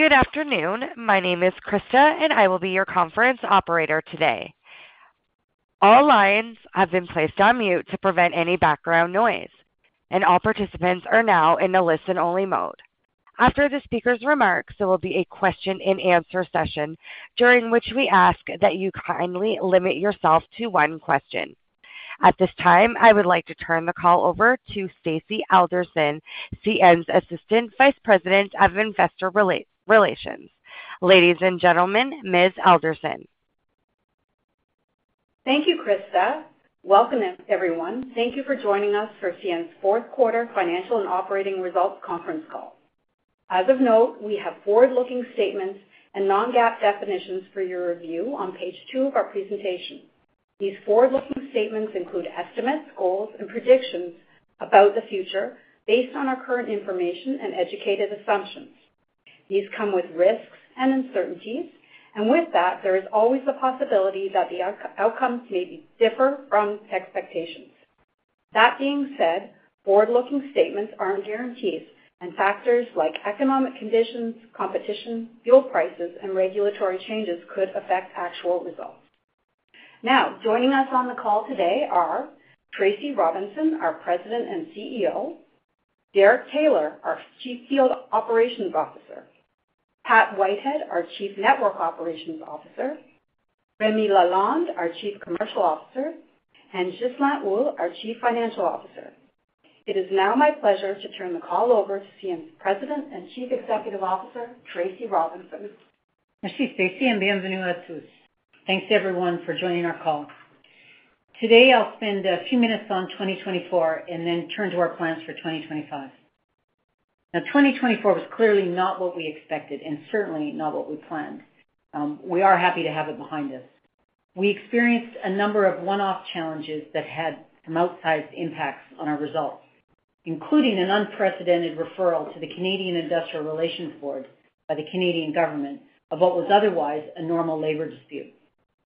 Good afternoon. My name is Krista, and I will be your conference operator today. All lines have been placed on mute to prevent any background noise, and all participants are now in the listen-only mode. After the speaker's remarks, there will be a question-and-answer session during which we ask that you kindly limit yourself to one question. At this time, I would like to turn the call over to Stacy Alderson, CN's Assistant Vice President of Investor Relations. Ladies and gentlemen, Ms. Alderson. Thank you, Krista. Welcome, everyone. Thank you for joining us for CN's Q4 financial and operating results conference call. Of note, we have forward-looking statements and non-GAAP definitions for your review on page two of our presentation. These forward-looking statements include estimates, goals, and predictions about the future based on our current information and educated assumptions. These come with risks and uncertainties, and with that, there is always the possibility that the outcomes may differ from expectations. That being said, forward-looking statements aren't guarantees, and factors like economic conditions, competition, fuel prices, and regulatory changes could affect actual results. Now, joining us on the call today are Tracy Robinson, our President and CEO, Derek Taylor, our Chief Field Operations Officer, Pat Whitehead, our Chief Network Operations Officer, Rémi Lalonde, our Chief Commercial Officer, and Ghislain Houle, our Chief Financial Officer. It is now my pleasure to turn the call over to CN's President and Chief Executive Officer, Tracy Robinson. Merci, Stacy, et bienvenue à tous. Thanks, everyone, for joining our call. Today, I'll spend a few minutes on 2024 and then turn to our plans for 2025. Now, 2024 was clearly not what we expected and certainly not what we planned. We are happy to have it behind us. We experienced a number of one-off challenges that had from outside impacts on our results, including an unprecedented referral to the Canadian Industrial Relations Board by the Canadian Government of what was otherwise a normal labor dispute.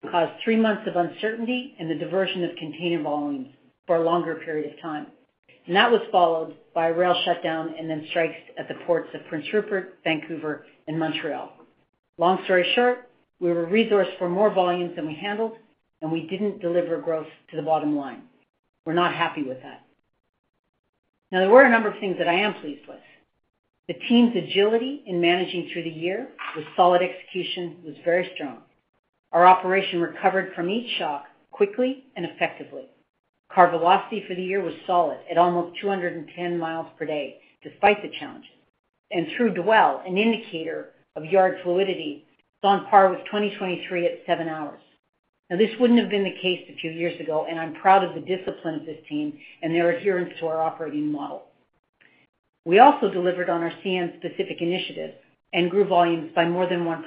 It caused three months of uncertainty and the diversion of container volumes for a longer period of time. And that was followed by a rail shutdown and then strikes at the ports of Prince Rupert, Vancouver, and Montreal. Long story short, we were resourced for more volumes than we handled, and we didn't deliver growth to the bottom line. We're not happy with that. Now, there were a number of things that I am pleased with. The team's agility in managing through the year with solid execution was very strong. Our operation recovered from each shock quickly and effectively. Car velocity for the year was solid at almost 210 miles per day despite the challenges, and through dwell, an indicator of yard fluidity, on par with 2023 at seven hours. Now, this wouldn't have been the case a few years ago, and I'm proud of the discipline of this team and their adherence to our operating model. We also delivered on our CN-specific initiative and grew volumes by more than 1%.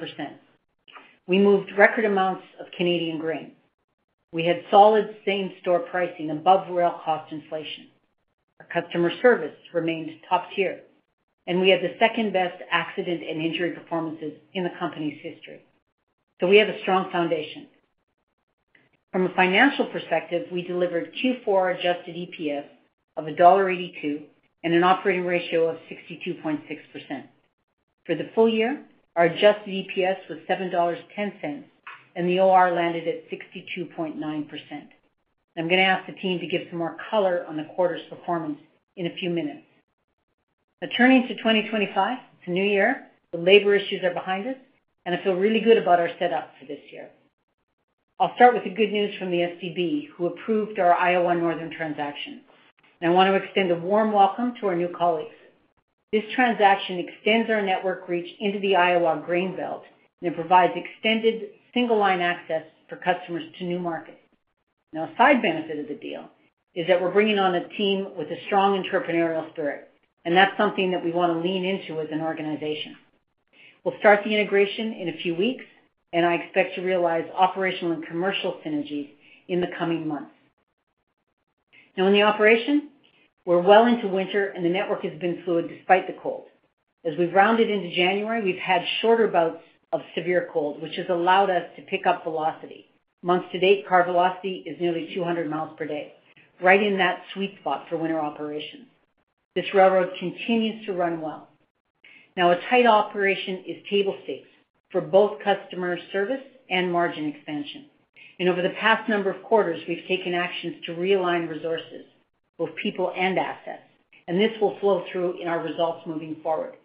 We moved record amounts of Canadian grain. We had solid same-store pricing above rail cost inflation. Our customer service remained top tier, and we had the second-best accident and injury performances in the company's history. So we have a strong foundation. From a financial perspective, we delivered Q4 adjusted EPS of $1.82 and an operating ratio of 62.6%. For the full year, our adjusted EPS was $7.10, and the OR landed at 62.9%. I'm going to ask the team to give some more color on the quarter's performance in a few minutes. Now, turning to 2025, it's a new year. The labor issues are behind us, and I feel really good about our setup for this year. I'll start with the good news from the STB, who approved our Iowa Northern transaction. And I want to extend a warm welcome to our new colleagues. This transaction extends our network reach into the Iowa grain belt and provides extended single-line access for customers to new markets. Now, a side benefit of the deal is that we're bringing on a team with a strong entrepreneurial spirit, and that's something that we want to lean into as an organization. We'll start the integration in a few weeks, and I expect to realize operational and commercial synergies in the coming months. Now, in the operation, we're well into winter, and the network has been fluid despite the cold. As we've rounded into January, we've had shorter bouts of severe cold, which has allowed us to pick up velocity. Months to date, car velocity is nearly 200 miles per day, right in that sweet spot for winter operations. This railroad continues to run well. Now, a tight operation is table stakes for both customer service and margin expansion. And over the past number of quarters, we've taken actions to realign resources, both people and assets, and this will flow through in our results moving forward.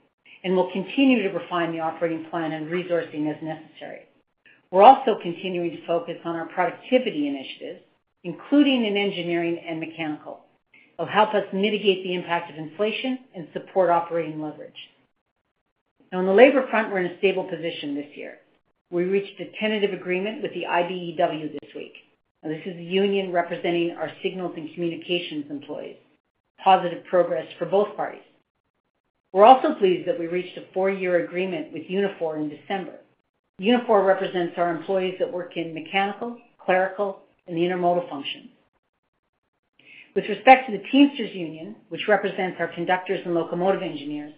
And we'll continue to refine the operating plan and resourcing as necessary. We're also continuing to focus on our productivity initiatives, including in engineering and mechanical. It'll help us mitigate the impact of inflation and support operating leverage. Now, on the labor front, we're in a stable position this year. We reached a tentative agreement with the IBEW this week. Now, this is the union representing our signals and communications employees. Positive progress for both parties. We're also pleased that we reached a four-year agreement with Unifor in December. Unifor represents our employees that work in mechanical, clerical, and the intermodal functions. With respect to the Teamsters union, which represents our conductors and locomotive engineers,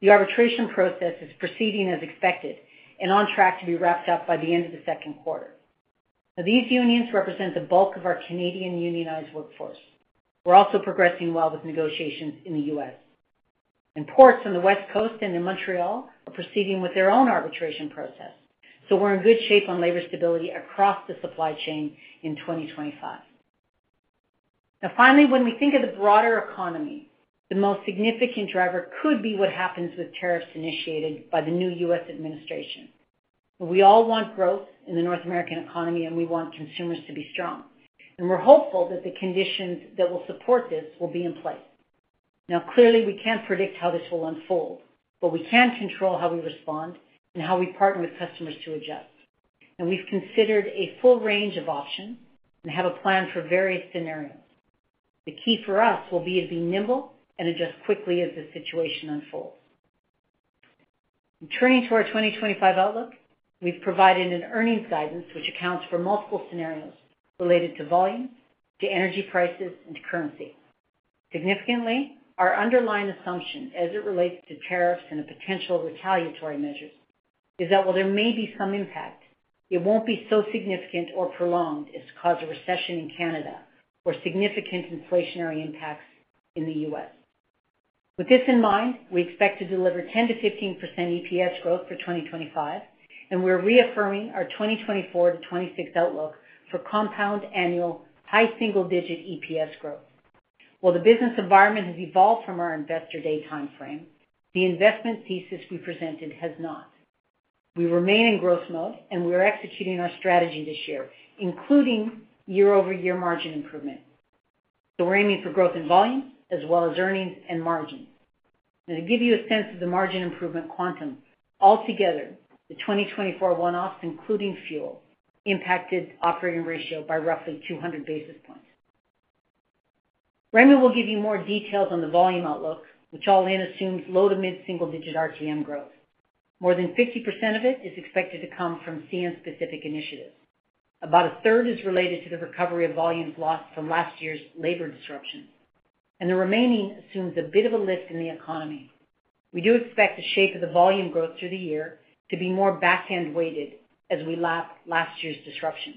the arbitration process is proceeding as expected and on track to be wrapped up by the end of the Q2. Now, these unions represent the bulk of our Canadian unionized workforce. We're also progressing well with negotiations in the U.S., and ports on the West Coast and in Montreal are proceeding with their own arbitration process. So we're in good shape on labor stability across the supply chain in 2025. Now, finally, when we think of the broader economy, the most significant driver could be what happens with tariffs initiated by the new U.S. administration. We all want growth in the North American economy, and we want consumers to be strong, and we're hopeful that the conditions that will support this will be in place. Now, clearly, we can't predict how this will unfold, but we can control how we respond and how we partner with customers to adjust. And we've considered a full range of options and have a plan for various scenarios. The key for us will be to be nimble and adjust quickly as the situation unfolds. Turning to our 2025 outlook, we've provided an earnings guidance which accounts for multiple scenarios related to volumes, to energy prices, and to currency. Significantly, our underlying assumption as it relates to tariffs and the potential retaliatory measures is that while there may be some impact, it won't be so significant or prolonged as to cause a recession in Canada or significant inflationary impacts in the U.S. With this in mind, we expect to deliver 10%-15% EPS growth for 2025, and we're reaffirming our 2024 to 2026 outlook for compound annual high single-digit EPS growth. While the business environment has evolved from our investor day timeframe, the investment thesis we presented has not. We remain in growth mode, and we are executing our strategy this year, including year-over-year margin improvement. So we're aiming for growth in volumes as well as earnings and margins. Now, to give you a sense of the margin improvement quantum, altogether, the 2024 one-offs, including fuel, impacted operating ratio by roughly 200 basis points. Rémi will give you more details on the volume outlook, which all in assumes low to mid-single-digit RTM growth. More than 50% of it is expected to come from CN-specific initiatives. About a third is related to the recovery of volumes lost from last year's labor disruptions. The remaining assumes a bit of a lift in the economy. We do expect the shape of the volume growth through the year to be more back-end-weighted as we lap last year's disruptions.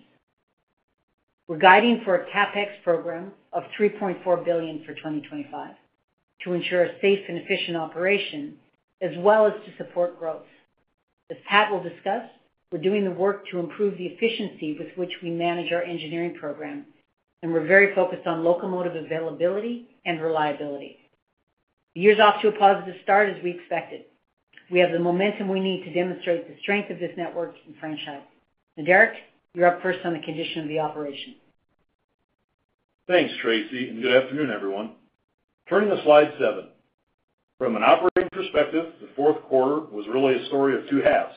We're guiding for a CapEx program of $3.4 billion for 2025 to ensure a safe and efficient operation as well as to support growth. As Pat will discuss, we're doing the work to improve the efficiency with which we manage our engineering program, and we're very focused on locomotive availability and reliability. The year's off to a positive start as we expected. We have the momentum we need to demonstrate the strength of this network and franchise. Now, Derek, you're up first on the condition of the operation. Thanks, Tracy, and good afternoon, everyone. Turning to slide 7. From an operating perspective, the Q4 was really a story of two halves.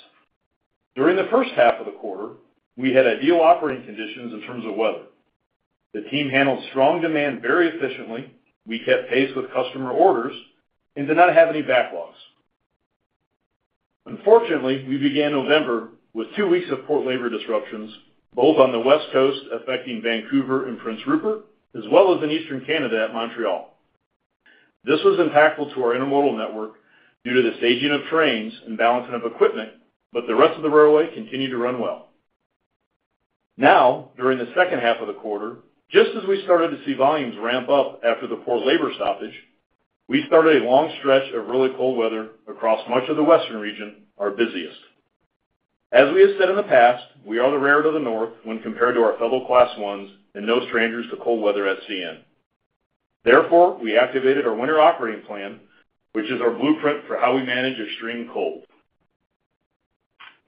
During the first half of the quarter, we had ideal operating conditions in terms of weather. The team handled strong demand very efficiently. We kept pace with customer orders and did not have any backlogs. Unfortunately, we began November with two weeks of port labor disruptions, both on the West Coast affecting Vancouver and Prince Rupert, as well as in eastern Canada at Montreal. This was impactful to our intermodal network due to the staging of trains and balancing of equipment, but the rest of the railway continued to run well. Now, during the second half of the quarter, just as we started to see volumes ramp up after the port labor stoppage, we started a long stretch of really cold weather across much of the western region, our busiest. As we have said in the past, we are the farthest north when compared to our fellow Class 1s and no strangers to cold weather at CN. Therefore, we activated our winter operating plan, which is our blueprint for how we manage extreme cold.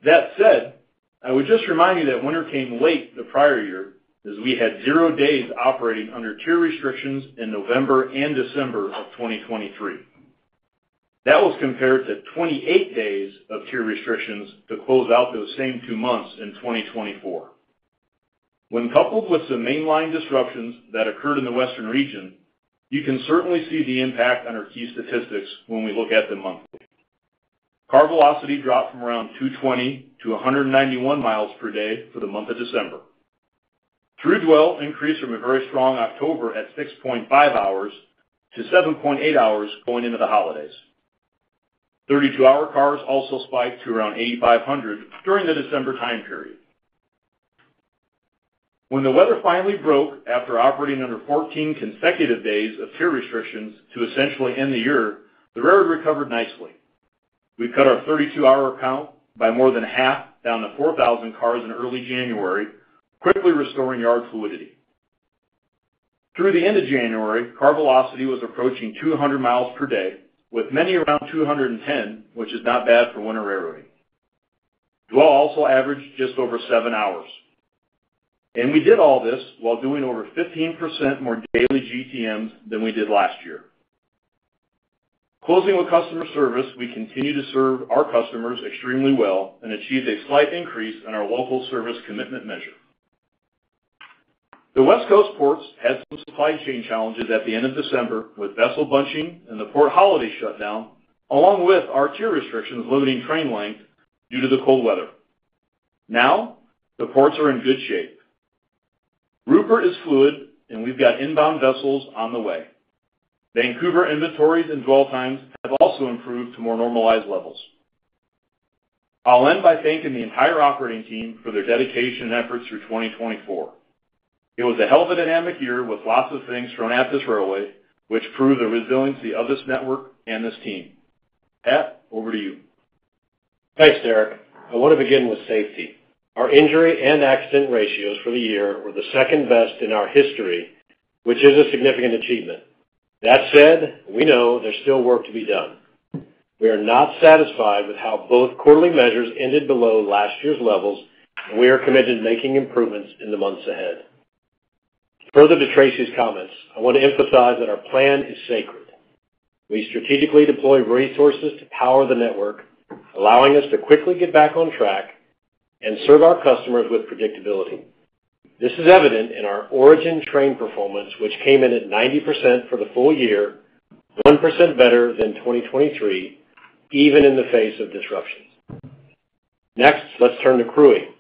That said, I would just remind you that winter came late the prior year as we had zero days operating under tier restrictions in November and December of 2023. That was compared to 28 days of tier restrictions to close out those same two months in 2024. When coupled with some mainline disruptions that occurred in the western region, you can certainly see the impact under key statistics when we look at them monthly. Car velocity dropped from around 220 to 191 miles per day for the month of December. Through dwell increased from a very strong October at 6.5 hours to 7.8 hours going into the holidays. 32-hour cars also spiked to around 8,500 during the December time period. When the weather finally broke after operating under 14 consecutive days of tier restrictions to essentially end the year, the railroad recovered nicely. We cut our 32-hour count by more than half down to 4,000 cars in early January, quickly restoring yard fluidity. Through the end of January, car velocity was approaching 200 miles per day, with many around 210, which is not bad for winter railroading. Dwell also averaged just over seven hours. We did all this while doing over 15% more daily GTMs than we did last year. Closing with customer service, we continue to serve our customers extremely well and achieve a slight increase in our local service commitment measure. The West Coast ports had some supply chain challenges at the end of December with vessel bunching and the port holiday shutdown, along with our tier restrictions limiting train length due to the cold weather. Now, the ports are in good shape. Rupert is fluid, and we've got inbound vessels on the way. Vancouver inventories and dwell times have also improved to more normalized levels. I'll end by thanking the entire operating team for their dedication and efforts through 2024. It was a hell of a dynamic year with lots of things thrown at this railway, which proved the resiliency of this network and this team. Pat, over to you. Thanks, Derek. I want to begin with safety. Our injury and accident ratios for the year were the second best in our history, which is a significant achievement. That said, we know there's still work to be done. We are not satisfied with how both quarterly measures ended below last year's levels, and we are committed to making improvements in the months ahead. Further to Tracy's comments, I want to emphasize that our plan is sacred. We strategically deployed resources to power the network, allowing us to quickly get back on track and serve our customers with predictability. This is evident in our origin train performance, which came in at 90% for the full year, 1% better than 2023, even in the face of disruptions. Next, let's turn to crewing.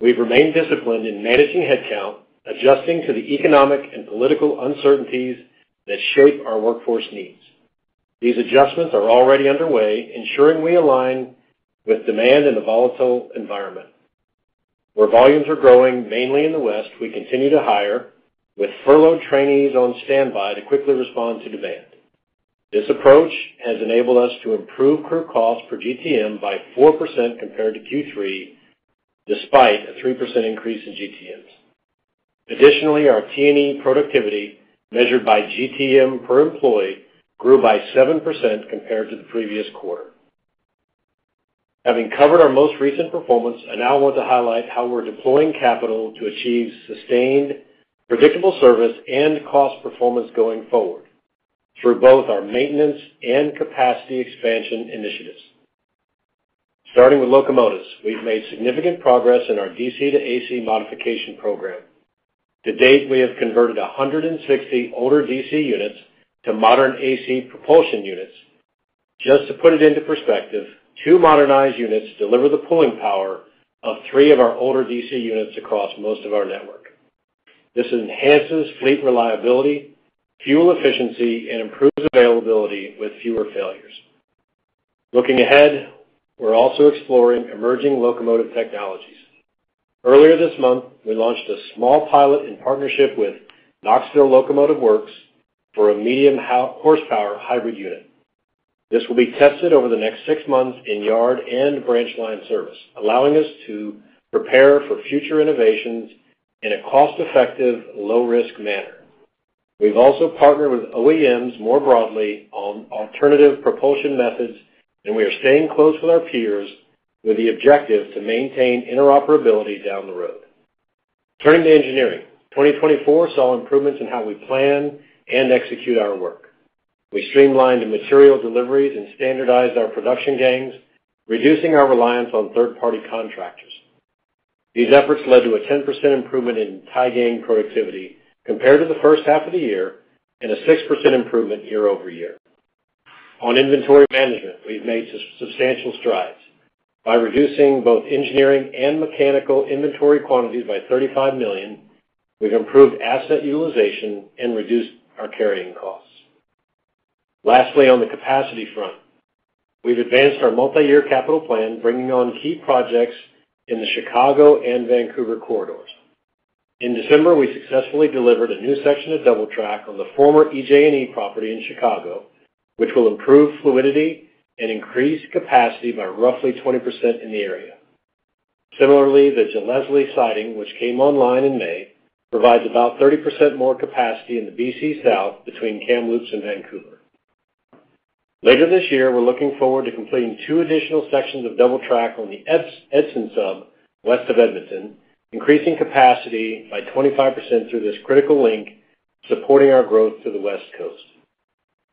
We've remained disciplined in managing headcount, adjusting to the economic and political uncertainties that shape our workforce needs. These adjustments are already underway, ensuring we align with demand in the volatile environment. Where volumes are growing, mainly in the west, we continue to hire with furloughed trainees on standby to quickly respond to demand. This approach has enabled us to improve crew costs per GTM by 4% compared to Q3, despite a 3% increase in GTMs. Additionally, our T&E productivity, measured by GTM per employee, grew by 7% compared to the previous quarter. Having covered our most recent performance, I now want to highlight how we're deploying capital to achieve sustained predictable service and cost performance going forward through both our maintenance and capacity expansion initiatives. Starting with locomotives, we've made significant progress in our DC to AC modification program. To date, we have converted 160 older DC units to modern AC propulsion units. Just to put it into perspective, two modernized units deliver the pulling power of three of our older DC units across most of our network. This enhances fleet reliability, fuel efficiency, and improves availability with fewer failures. Looking ahead, we're also exploring emerging locomotive technologies. Earlier this month, we launched a small pilot in partnership with Knoxville Locomotive Works for a medium horsepower hybrid unit. This will be tested over the next six months in yard and branch line service, allowing us to prepare for future innovations in a cost-effective, low-risk manner. We've also partnered with OEMs more broadly on alternative propulsion methods, and we are staying close with our peers with the objective to maintain interoperability down the road. Turning to engineering, 2024 saw improvements in how we plan and execute our work. We streamlined material deliveries and standardized our production gangs, reducing our reliance on third-party contractors. These efforts led to a 10% improvement in tie gang productivity compared to the first half of the year and a 6% improvement year over year. On inventory management, we've made substantial strides. By reducing both engineering and mechanical inventory quantities by 35 million, we've improved asset utilization and reduced our carrying costs. Lastly, on the capacity front, we've advanced our multi-year capital plan, bringing on key projects in the Chicago and Vancouver corridors. In December, we successfully delivered a new section of double track on the former EJ&E property in Chicago, which will improve fluidity and increase capacity by roughly 20% in the area. Similarly, the Gillespie siding, which came online in May, provides about 30% more capacity in the BC South between Kamloops and Vancouver. Later this year, we're looking forward to completing two additional sections of double track on the Edson sub west of Edmonton, increasing capacity by 25% through this critical link, supporting our growth to the West Coast.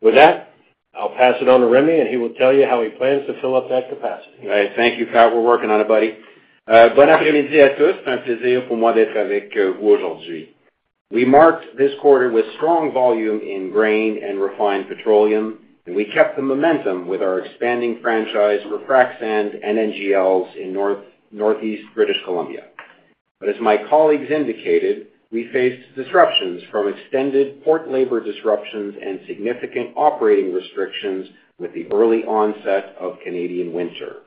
With that, I'll pass it on to Rémi, and he will tell you how he plans to fill up that capacity. All right. Thank you, Pat. We're working on it, buddy. Good afternoon, everyone. C'est un plaisir pour moi d'être avec vous aujourd'hui. We marked this quarter with strong volume in grain and refined petroleum, and we kept the momentum with our expanding franchise for frac sand and NGLs in northeast British Columbia. But as my colleagues indicated, we faced disruptions from extended port labor disruptions and significant operating restrictions with the early onset of Canadian winter.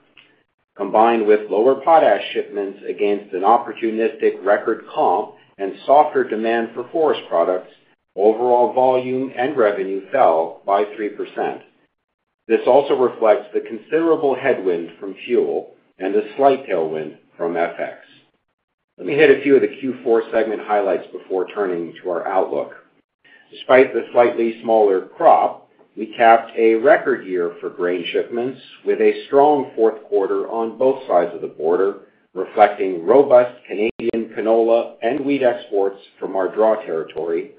Combined with lower potash shipments against an opportunistic record comp and softer demand for forest products, overall volume and revenue fell by 3%. This also reflects the considerable headwind from fuel and a slight tailwind from FX. Let me hit a few of the Q4 segment highlights before turning to our outlook. Despite the slightly smaller crop, we capped a record year for grain shipments, with a strong Q4 on both sides of the border, reflecting robust Canadian canola and wheat exports from our draw territory,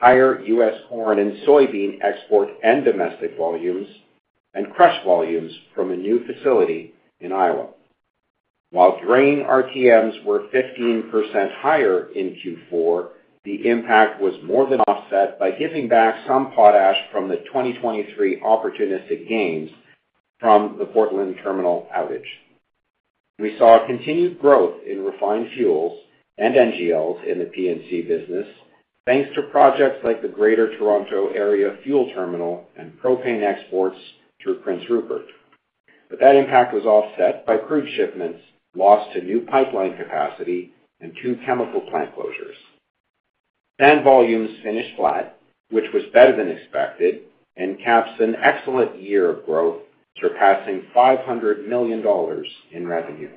higher U.S. corn and soybean export and domestic volumes, and crush volumes from a new facility in Iowa. While grain RTMs were 15% higher in Q4, the impact was more than offset by giving back some potash from the 2023 opportunistic gains from the Portland terminal outage. We saw continued growth in refined fuels and NGLs in the P&C business, thanks to projects like the Greater Toronto Area Fuel Terminal and propane exports through Prince Rupert. But that impact was offset by crude shipments lost to new pipeline capacity and two chemical plant closures. Sand volumes finished flat, which was better than expected, and caps an excellent year of growth, surpassing $500 million in revenue.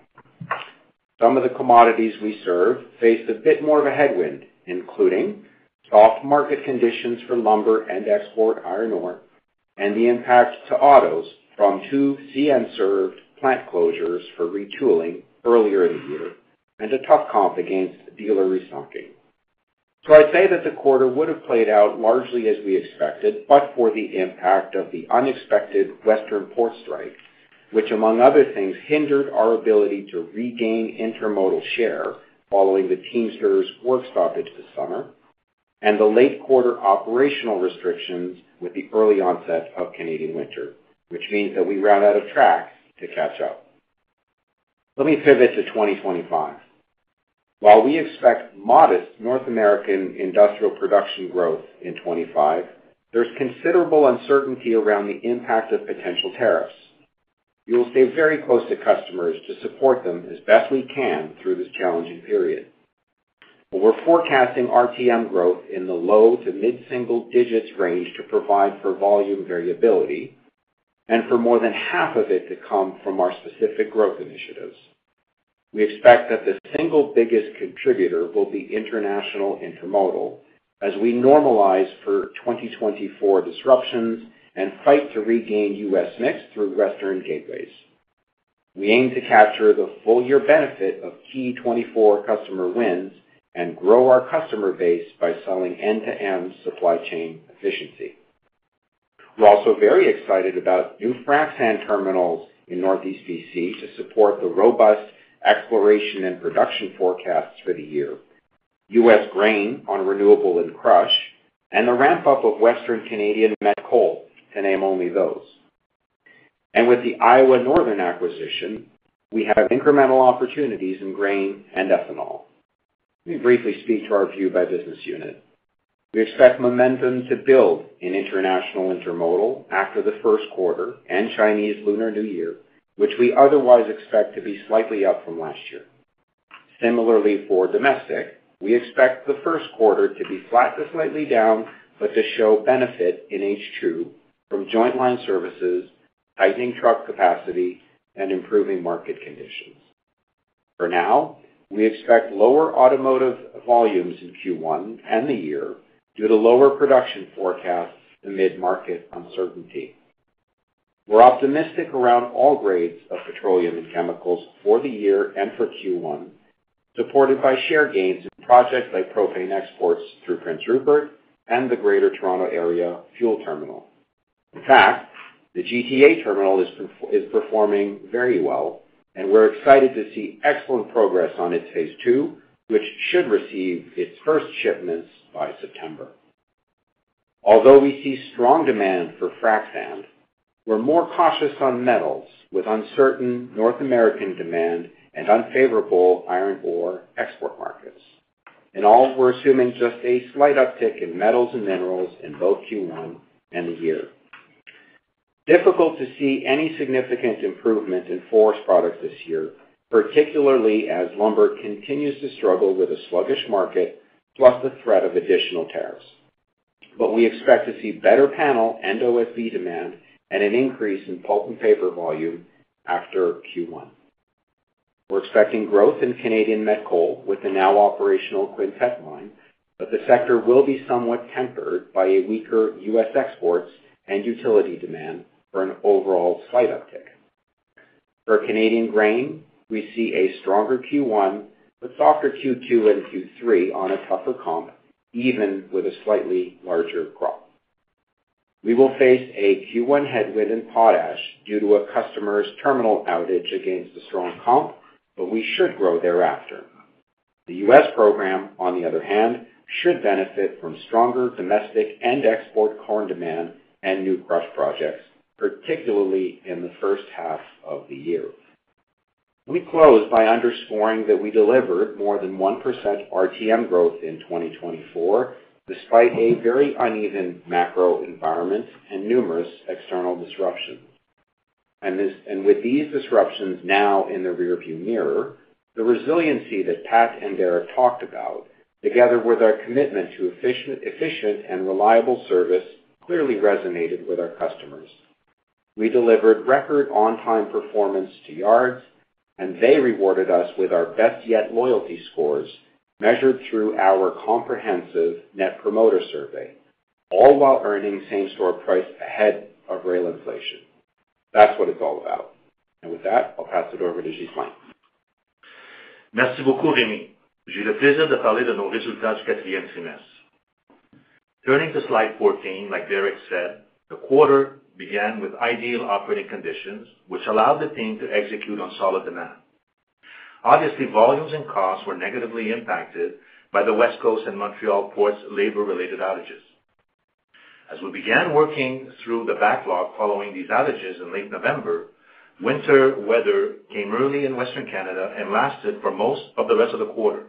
Some of the commodities we serve faced a bit more of a headwind, including soft market conditions for lumber and export iron ore, and the impact to autos from two CN-served plant closures for retooling earlier in the year, and a tough comp against dealer restocking. So I'd say that the quarter would have played out largely as we expected, but for the impact of the unexpected western port strike, which, among other things, hindered our ability to regain intermodal share following the Teamsters work stoppage this summer, and the late quarter operational restrictions with the early onset of Canadian winter, which means that we ran out of track to catch up. Let me pivot to 2025. While we expect modest North American industrial production growth in 2025, there's considerable uncertainty around the impact of potential tariffs. We will stay very close to customers to support them as best we can through this challenging period. We're forecasting RTM growth in the low to mid-single digits range to provide for volume variability, and for more than half of it to come from our specific growth initiatives. We expect that the single biggest contributor will be international intermodal, as we normalize for 2024 disruptions and fight to regain U.S. mix through western gateways. We aim to capture the full year benefit of key 2024 customer wins and grow our customer base by selling end-to-end supply chain efficiency. We're also very excited about new frac sand terminals in northeast BC to support the robust exploration and production forecasts for the year, U.S. grain on renewable and crush, and the ramp-up of western Canadian met coal, to name only those, and with the Iowa Northern acquisition, we have incremental opportunities in grain and ethanol. Let me briefly speak to our view by business unit. We expect momentum to build in international intermodal after the Q1 and Chinese Lunar New Year, which we otherwise expect to be slightly up from last year. Similarly, for domestic, we expect the Q1 to be flat to slightly down, but to show benefit in H2 from joint line services, tightening truck capacity, and improving market conditions. For now, we expect lower automotive volumes in Q1 and the year due to lower production forecasts amid market uncertainty. We're optimistic around all grades of petroleum and chemicals for the year and for Q1, supported by share gains in projects like propane exports through Prince Rupert and the Greater Toronto Area Fuel Terminal. In fact, the GTA terminal is performing very well, and we're excited to see excellent progress on its phase two, which should receive its first shipments by September. Although we see strong demand for frac sand, we're more cautious on metals with uncertain North American demand and unfavorable iron ore export markets. In all, we're assuming just a slight uptick in metals and minerals in both Q1 and the year. Difficult to see any significant improvement in forest products this year, particularly as lumber continues to struggle with a sluggish market plus the threat of additional tariffs. But we expect to see better panel and OSB demand and an increase in pulp and paper volume after Q1. We're expecting growth in Canadian met coal with the now operational Quintette line, but the sector will be somewhat tempered by a weaker U.S. exports and utility demand for an overall slight uptick. For Canadian grain, we see a stronger Q1, but softer Q2 and Q3 on a tougher comp, even with a slightly larger crop. We will face a Q1 headwind in potash due to a customer's terminal outage against the strong comp, but we should grow thereafter. The U.S. program, on the other hand, should benefit from stronger domestic and export corn demand and new crush projects, particularly in the first half of the year. We close by underscoring that we delivered more than 1% RTM growth in 2024, despite a very uneven macro environment and numerous external disruptions. And with these disruptions now in the rearview mirror, the resiliency that Pat and Derek talked about, together with our commitment to efficient and reliable service, clearly resonated with our customers. We delivered record on-time performance to yards, and they rewarded us with our best-yet loyalty scores measured through our comprehensive Net Promoter Survey, all while earning same-store price ahead of rail inflation. That's what it's all about. And with that, I'll pass it over to Ghislain. Merci beaucoup, Rémi. J'ai le plaisir de parler de nos résultats du quatrième trimestre. Turning to slide 14, like Derek said, the quarter began with ideal operating conditions, which allowed the team to execute on solid demand. Obviously, volumes and costs were negatively impacted by the West Coast and Montreal ports' labor-related outages. As we began working through the backlog following these outages in late November, winter weather came early in western Canada and lasted for most of the rest of the quarter.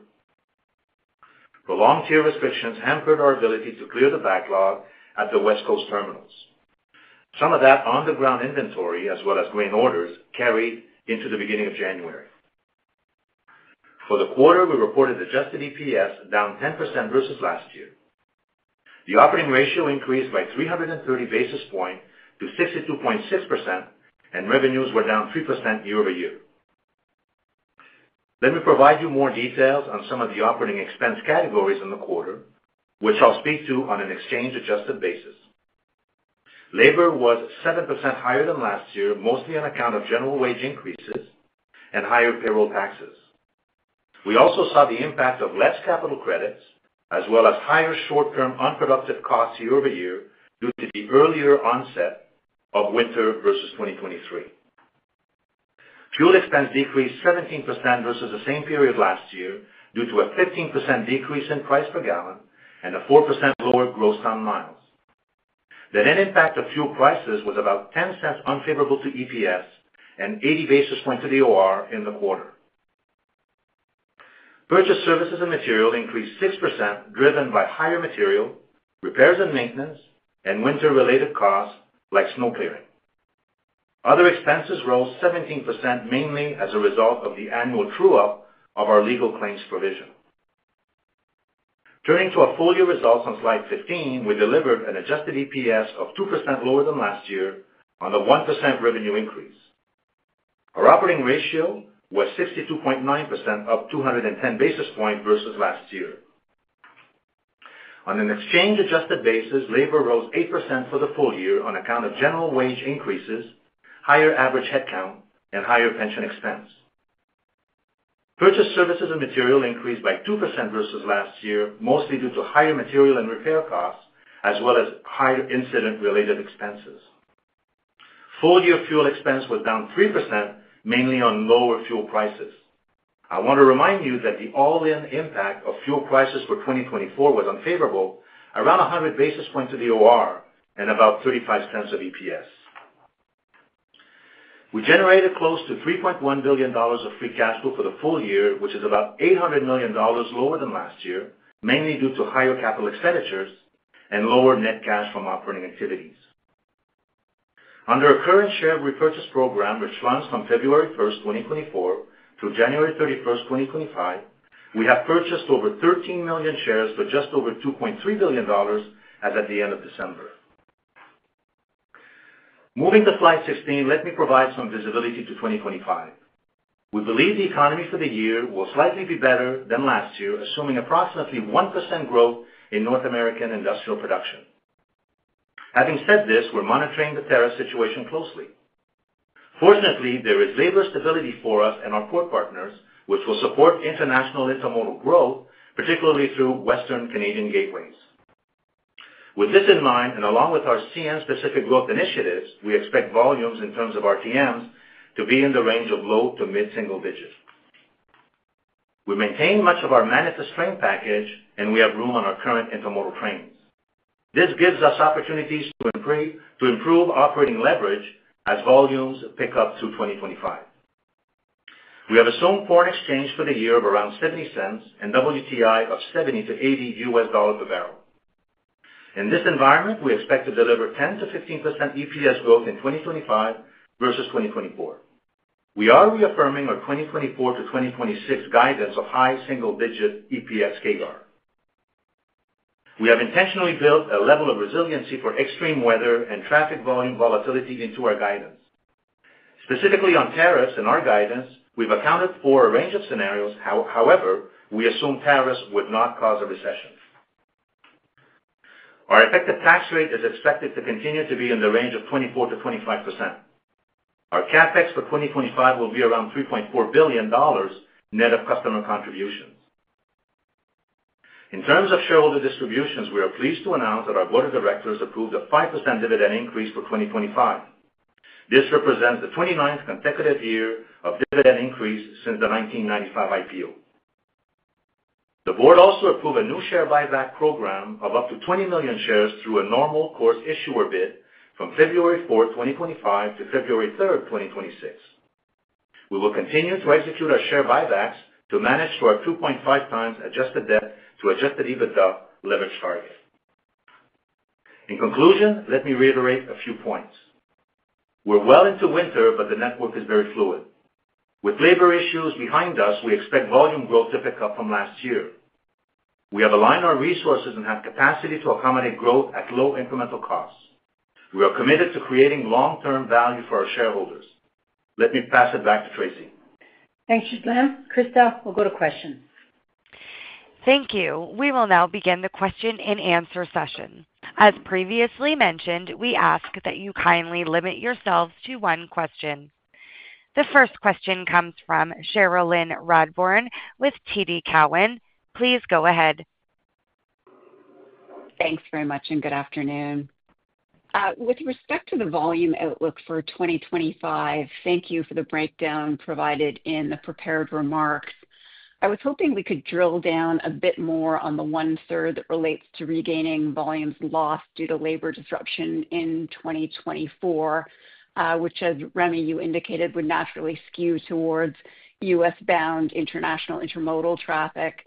Prolonged tier restrictions hampered our ability to clear the backlog at the West Coast terminals. Some of that on-the-ground inventory, as well as grain orders, carried into the beginning of January. For the quarter, we reported adjusted EPS down 10% versus last year. The operating ratio increased by 330 basis points to 62.6%, and revenues were down 3% year over year. Let me provide you more details on some of the operating expense categories in the quarter, which I'll speak to on an exchange-adjusted basis. Labor was 7% higher than last year, mostly on account of general wage increases and higher payroll taxes. We also saw the impact of less capital credits, as well as higher short-term unproductive costs year over year due to the earlier onset of winter versus 2023. Fuel expense decreased 17% versus the same period last year due to a 15% decrease in price per gallon and a 4% lower gross ton miles. The net impact of fuel prices was about $0.10 unfavorable to EPS and 80 basis points to the OR in the quarter. Purchased services and materials increased 6%, driven by higher material, repairs and maintenance, and winter-related costs like snow clearing. Other expenses rose 17%, mainly as a result of the annual true-up of our legal claims provision. Turning to our full year results on slide 15, we delivered an adjusted EPS of 2% lower than last year on a 1% revenue increase. Our operating ratio was 62.9%, up 210 basis points versus last year. On an exchange-adjusted basis, labor rose 8% for the full year on account of general wage increases, higher average headcount, and higher pension expense. Purchase services and material increased by 2% versus last year, mostly due to higher material and repair costs, as well as higher incident-related expenses. Full year fuel expense was down 3%, mainly on lower fuel prices. I want to Rémind you that the all-in impact of fuel prices for 2024 was unfavorable, around 100 basis points to the OR and about $0.35 of EPS. We generated close to $3.1 billion of free cash flow for the full year, which is about $800 million lower than last year, mainly due to higher capital expenditures and lower net cash from operating activities. Under a current share repurchase program, which runs from February 1st, 2024, through January 31st, 2025, we have purchased over 13 million shares for just over $2.3 billion as at the end of December. Moving to slide 16, let me provide some visibility to 2025. We believe the economy for the year will slightly be better than last year, assuming approximately 1% growth in North American industrial production. Having said this, we're monitoring the tariff situation closely. Fortunately, there is labor stability for us and our port partners, which will support international intermodal growth, particularly through western Canadian gateways. With this in mind, and along with our CN-specific growth initiatives, we expect volumes in terms of RTMs to be in the range of low- to mid-single digits. We maintain much of our manifest train package, and we have room on our current intermodal trains. This gives us opportunities to improve operating leverage as volumes pick up through 2025. We have assumed foreign exchange for the year of around $0.70 and WTI of $70-$80 per barrel. In this environment, we expect to deliver 10-15% EPS growth in 2025 versus 2024. We are reaffirming our 2024 to 2026 guidance of high single-digit EPS CAGR. We have intentionally built a level of resiliency for extreme weather and traffic volume volatility into our guidance. Specifically on tariffs in our guidance, we've accounted for a range of scenarios, however, we assume tariffs would not cause a recession. Our effective tax rate is expected to continue to be in the range of 24%-25%. Our CapEx for 2025 will be around $3.4 billion net of customer contributions. In terms of shareholder distributions, we are pleased to announce that our board of directors approved a 5% dividend increase for 2025. This represents the 29th consecutive year of dividend increase since the 1995 IPO. The board also approved a new share buyback program of up to 20 million shares through a Normal Course Issuer Bid from February 4, 2025, to February 3, 2026. We will continue to execute our share buybacks to manage for our 2.5 times adjusted debt to adjusted EBITDA leverage target. In conclusion, let me reiterate a few points. We're well into winter, but the network is very fluid. With labor issues behind us, we expect volume growth to pick up from last year. We have aligned our resources and have capacity to accommodate growth at low incremental costs. We are committed to creating long-term value for our shareholders. Let me pass it back to Tracy. Thanks, Ghislain. Krista, we'll go to questions. Thank you. We will now begin the question and answer session. As previously mentioned, we ask that you kindly limit yourselves to one question. The first question comes from Cherilyn Radbourne with TD Cowen. Please go ahead. Thanks very much, and good afternoon. With respect to the volume outlook for 2025, thank you for the breakdown provided in the prepared remarks. I was hoping we could drill down a bit more on the one-third that relates to regaining volumes lost due to labor disruption in 2024, which, as Rémi, you indicated, would naturally skew towards U.S.-bound international intermodal traffic.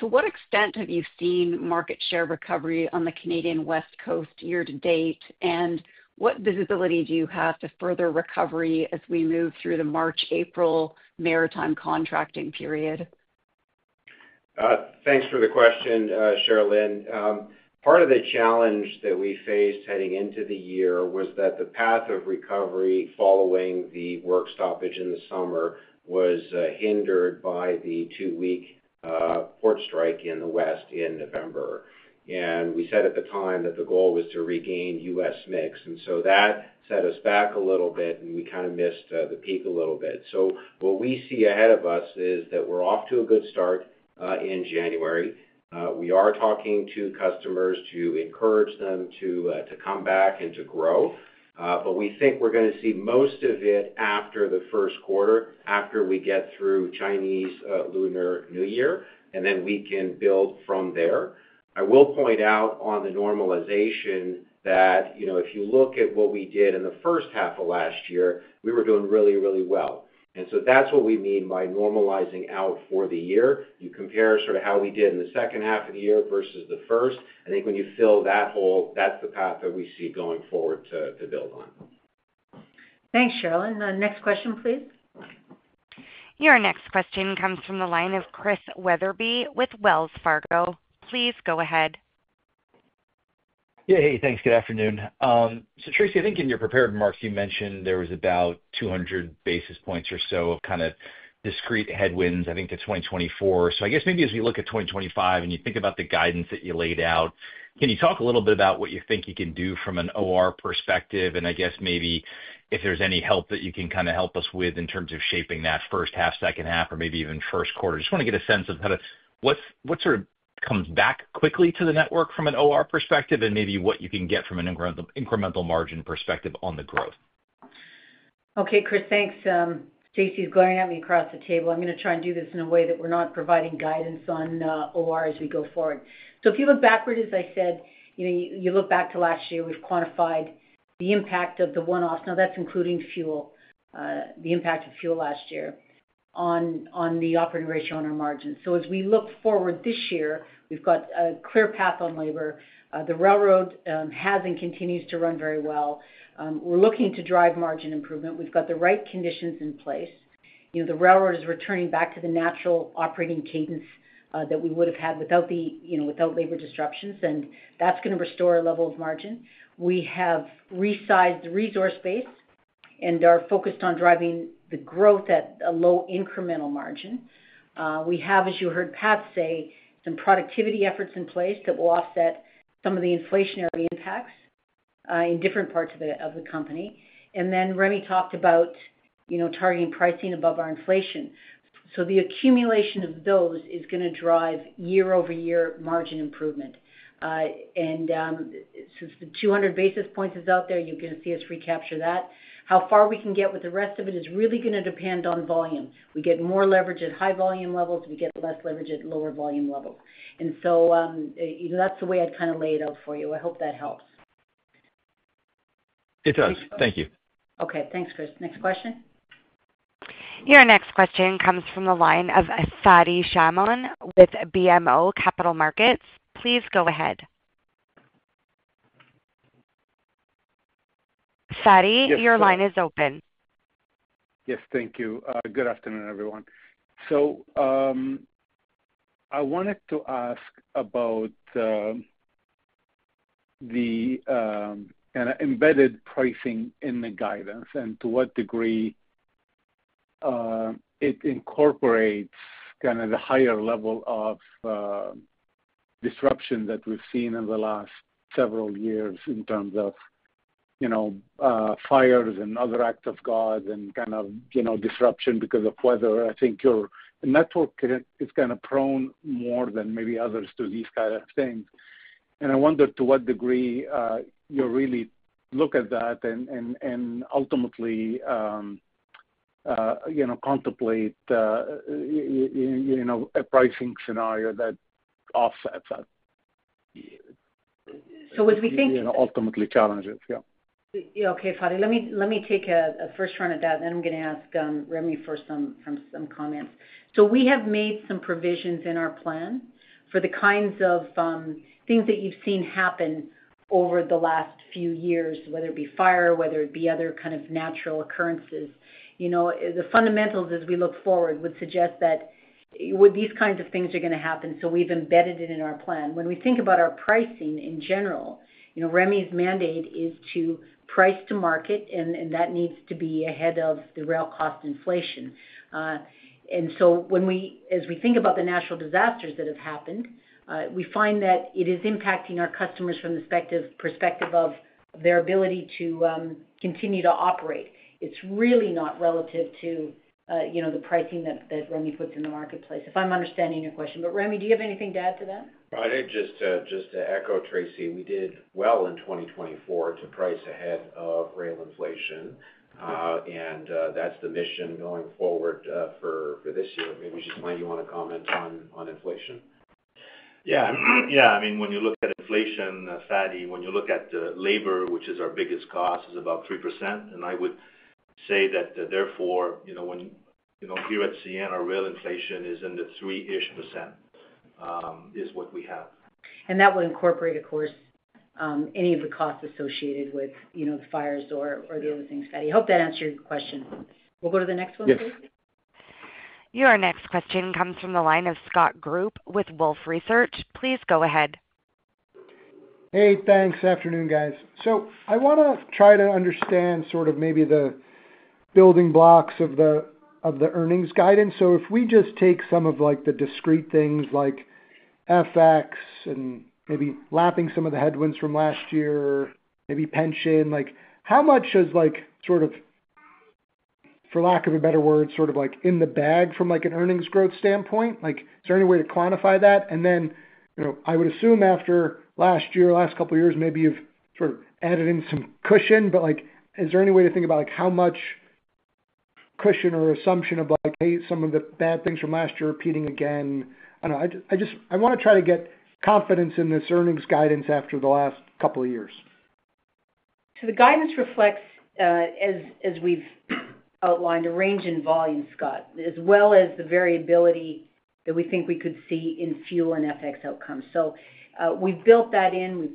To what extent have you seen market share recovery on the Canadian West Coast year-to-date, and what visibility do you have to further recovery as we move through the March-April maritime contracting period? Thanks for the question, Cherilyn. Part of the challenge that we faced heading into the year was that the path of recovery following the work stoppage in the summer was hindered by the two-week port strike in the West in November, and we said at the time that the goal was to regain U.S. mix, and so that set us back a little bit, and we kind of missed the peak a little bit, so what we see ahead of us is that we're off to a good start in January. We are talking to customers to encourage them to come back and to grow, but we think we're going to see most of it after the Q1, after we get through Chinese Lunar New Year, and then we can build from there. I will point out on the normalization that if you look at what we did in the first half of last year, we were doing really, really well, and so that's what we mean by normalizing out for the year. You compare sort of how we did in the second half of the year versus the first. I think when you fill that hole, that's the path that we see going forward to build on. Thanks, Cherilyn. Next question, please. Your next question comes from the line of Chris Wetherbee with Wells Fargo. Please go ahead. Yeah, hey, thanks. Good afternoon. So, Tracy, I think in your prepared remarks, you mentioned there was about 200 basis points or so of kind of discrete headwinds, I think, to 2024. So I guess maybe as we look at 2025 and you think about the guidance that you laid out, can you talk a little bit about what you think you can do from an OR perspective? And I guess maybe if there's any help that you can kind of help us with in terms of shaping that first half, second half, or maybe even Q1. Just want to get a sense of what sort of comes back quickly to the network from an OR perspective and maybe what you can get from an incremental margin perspective on the growth. Okay, Chris, thanks. Stacy's glaring at me across the table. I'm going to try and do this in a way that we're not providing guidance on OR as we go forward, so if you look backward, as I said, you look back to last year, we've quantified the impact of the one-offs, now that's including fuel, the impact of fuel last year on the Operating Ratio on our margins. So as we look forward this year, we've got a clear path on labor. The railroad has and continues to run very well. We're looking to drive margin improvement. We've got the right conditions in place. The railroad is returning back to the natural operating cadence that we would have had without labor disruptions, and that's going to restore a level of margin. We have resized the resource base and are focused on driving the growth at a low incremental margin. We have, as you heard Pat say, some productivity efforts in place that will offset some of the inflationary impacts in different parts of the company, and then Rémi talked about targeting pricing above our inflation, so the accumulation of those is going to drive year-over-year margin improvement, and since the 200 basis points is out there, you're going to see us recapture that. How far we can get with the rest of it is really going to depend on volume. We get more leverage at high volume levels. We get less leverage at lower volume levels, and so that's the way I'd kind of lay it out for you. I hope that helps. It does. Thank you. Okay, thanks, Chris. Next question. Your next question comes from the line of Fadi Chamoun with BMO Capital Markets. Please go ahead. Fadi, your line is open. Yes, thank you. Good afternoon, everyone. So I wanted to ask about the embedded pricing in the guidance and to what degree it incorporates kind of the higher level of disruption that we've seen in the last several years in terms of fires and other acts of God and kind of disruption because of weather. I think your network is kind of prone more than maybe others to these kinds of things. And I wonder to what degree you really look at that and ultimately contemplate a pricing scenario that offsets that. So as we think. Ultimately, challenges, yeah. Okay, Fadi, let me take a first run at that, and then I'm going to ask Rémi for some comments. So we have made some provisions in our plan for the kinds of things that you've seen happen over the last few years, whether it be fire, whether it be other kinds of natural occurrences. The fundamentals, as we look forward, would suggest that these kinds of things are going to happen, so we've embedded it in our plan. When we think about our pricing in general, Rémi's mandate is to price to market, and that needs to be ahead of the rail cost inflation. And so as we think about the natural disasters that have happened, we find that it is impacting our customers from the perspective of their ability to continue to operate. It's really not relative to the pricing that Rémi puts in the marketplace, if I'm understanding your question. But Rémi, do you have anything to add to that? Probably just to echo, Tracy, we did well in 2024 to price ahead of rail inflation, and that's the mission going forward for this year. Maybe Ghislain, you want to comment on inflation? Yeah, yeah. I mean, when you look at inflation, Fadi, when you look at labor, which is our biggest cost, it's about 3%. And I would say that therefore, here at CN, our rail inflation is in the 3-ish % is what we have. That would incorporate, of course, any of the costs associated with the fires or the other things. Fadi, I hope that answered your question. We'll go to the next one, please. Yes. Your next question comes from the line of Scott Group with Wolfe Research. Please go ahead. Hey, thanks. Afternoon, guys. So I want to try to understand sort of maybe the building blocks of the earnings guidance. So if we just take some of the discrete things like FX and maybe lapping some of the headwinds from last year, maybe pension, how much is sort of, for lack of a better word, sort of in the bag from an earnings growth standpoint? Is there any way to quantify that? And then I would assume after last year, last couple of years, maybe you've sort of added in some cushion, but is there any way to think about how much cushion or assumption of, hey, some of the bad things from last year repeating again? I don't know. I want to try to get confidence in this earnings guidance after the last couple of years. So the guidance reflects, as we've outlined, a range in volume, Scott, as well as the variability that we think we could see in fuel and FX outcomes. So we've built that in.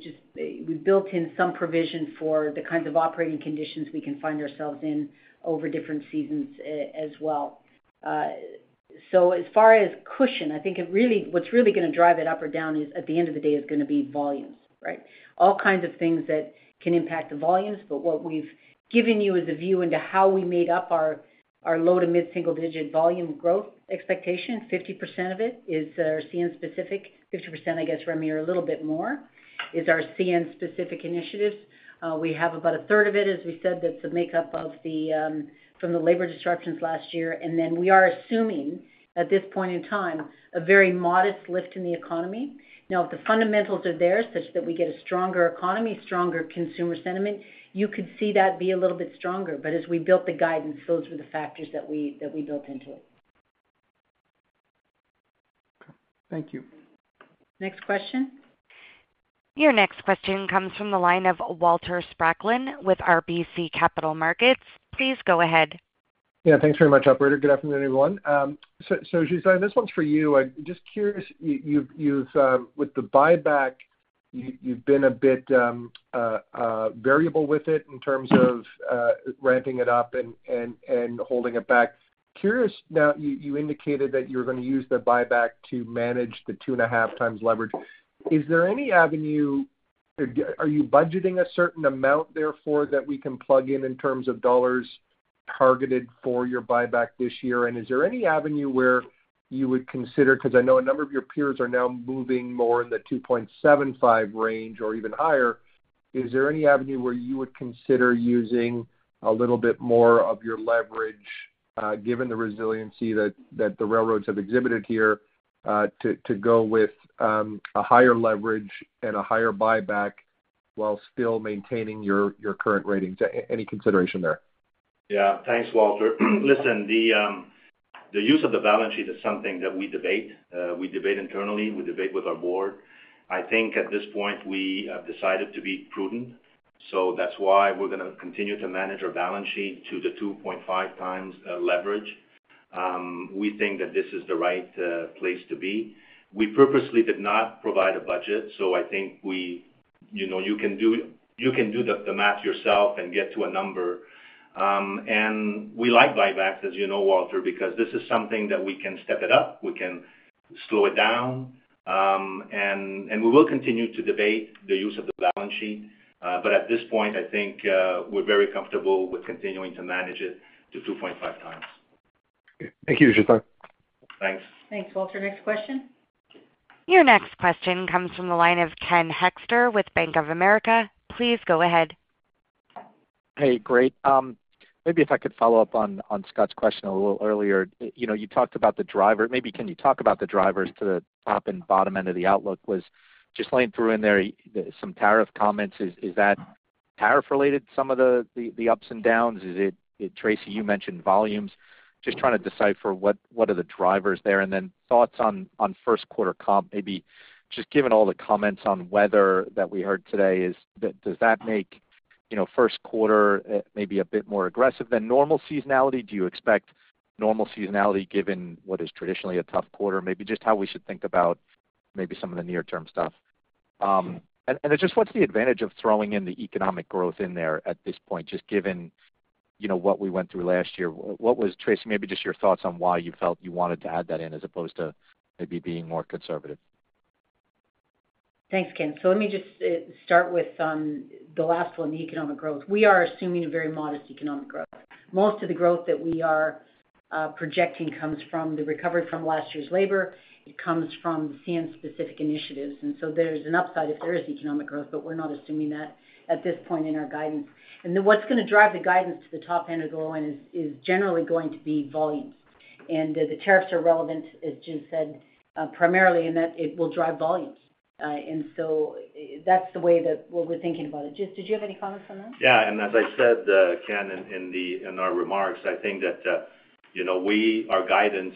We've built in some provision for the kinds of operating conditions we can find ourselves in over different seasons as well. So as far as cushion, I think what's really going to drive it up or down at the end of the day is going to be volumes, right? All kinds of things that can impact the volumes, but what we've given you is a view into how we made up our low to mid-single-digit volume growth expectation. 50% of it is our CN-specific. 50%, I guess, Rémi, or a little bit more, is our CN-specific initiatives. We have about a third of it, as we said, that's a makeup of the labor disruptions last year. And then we are assuming, at this point in time, a very modest lift in the economy. Now, if the fundamentals are there such that we get a stronger economy, stronger consumer sentiment, you could see that be a little bit stronger. But as we built the guidance, those were the factors that we built into it. Thank you. Next question. Your next question comes from the line of Walter Spracklin with RBC Capital Markets. Please go ahead. Yeah, thanks very much, operator. Good afternoon, everyone. So, Ghislain, this one's for you. Just curious, with the buyback, you've been a bit variable with it in terms of ramping it up and holding it back. Curious, now you indicated that you're going to use the buyback to manage the two and a half times leverage. Is there any avenue? Are you budgeting a certain amount therefore that we can plug in in terms of dollars targeted for your buyback this year? And is there any avenue where you would consider? Because I know a number of your peers are now moving more in the 2.75 range or even higher. Is there any avenue where you would consider using a little bit more of your leverage, given the resiliency that the railroads have exhibited here, to go with a higher leverage and a higher buyback while still maintaining your current ratings? Any consideration there? Yeah, thanks, Walter. Listen, the use of the balance sheet is something that we debate. We debate internally. We debate with our board. I think at this point we have decided to be prudent. So that's why we're going to continue to manage our balance sheet to the 2.5 times leverage. We think that this is the right place to be. We purposely did not provide a budget, so I think you can do the math yourself and get to a number. And we like buybacks, as you know, Walter, because this is something that we can step it up. We can slow it down. And we will continue to debate the use of the balance sheet, but at this point, I think we're very comfortable with continuing to manage it to 2.5 times. Thank you, Ghislain. Thanks. Thanks, Walter. Next question. Your next question comes from the line of Ken Hoexter with Bank of America. Please go ahead. Hey, great. Maybe if I could follow up on Scott's question a little earlier. You talked about the driver. Maybe can you talk about the drivers to the top and bottom end of the outlook? Was Ghislain threw in there some tariff comments. Is that tariff-related, some of the ups and downs? Tracy, you mentioned volumes. Just trying to decipher what are the drivers there. And then thoughts on Q1 comp, maybe just given all the comments on weather that we heard today, does that make Q1 maybe a bit more aggressive than normal seasonality? Do you expect normal seasonality given what is traditionally a tough quarter? Maybe just how we should think about maybe some of the near-term stuff. And just what's the advantage of throwing in the economic growth in there at this point, just given what we went through last year? What was, Tracy, maybe just your thoughts on why you felt you wanted to add that in as opposed to maybe being more conservative? Thanks, Ken. So let me just start with the last one, the economic growth. We are assuming a very modest economic growth. Most of the growth that we are projecting comes from the recovery from last year's labor. It comes from the CN-specific initiatives. And so there's an upside if there is economic growth, but we're not assuming that at this point in our guidance. And what's going to drive the guidance to the top end or the low end is generally going to be volumes. And the tariffs are relevant, as Ghis said, primarily in that it will drive volumes. And so that's the way that we're thinking about it. Ghis, did you have any comments on that? Yeah. And as I said, Ken, in our remarks, I think that our guidance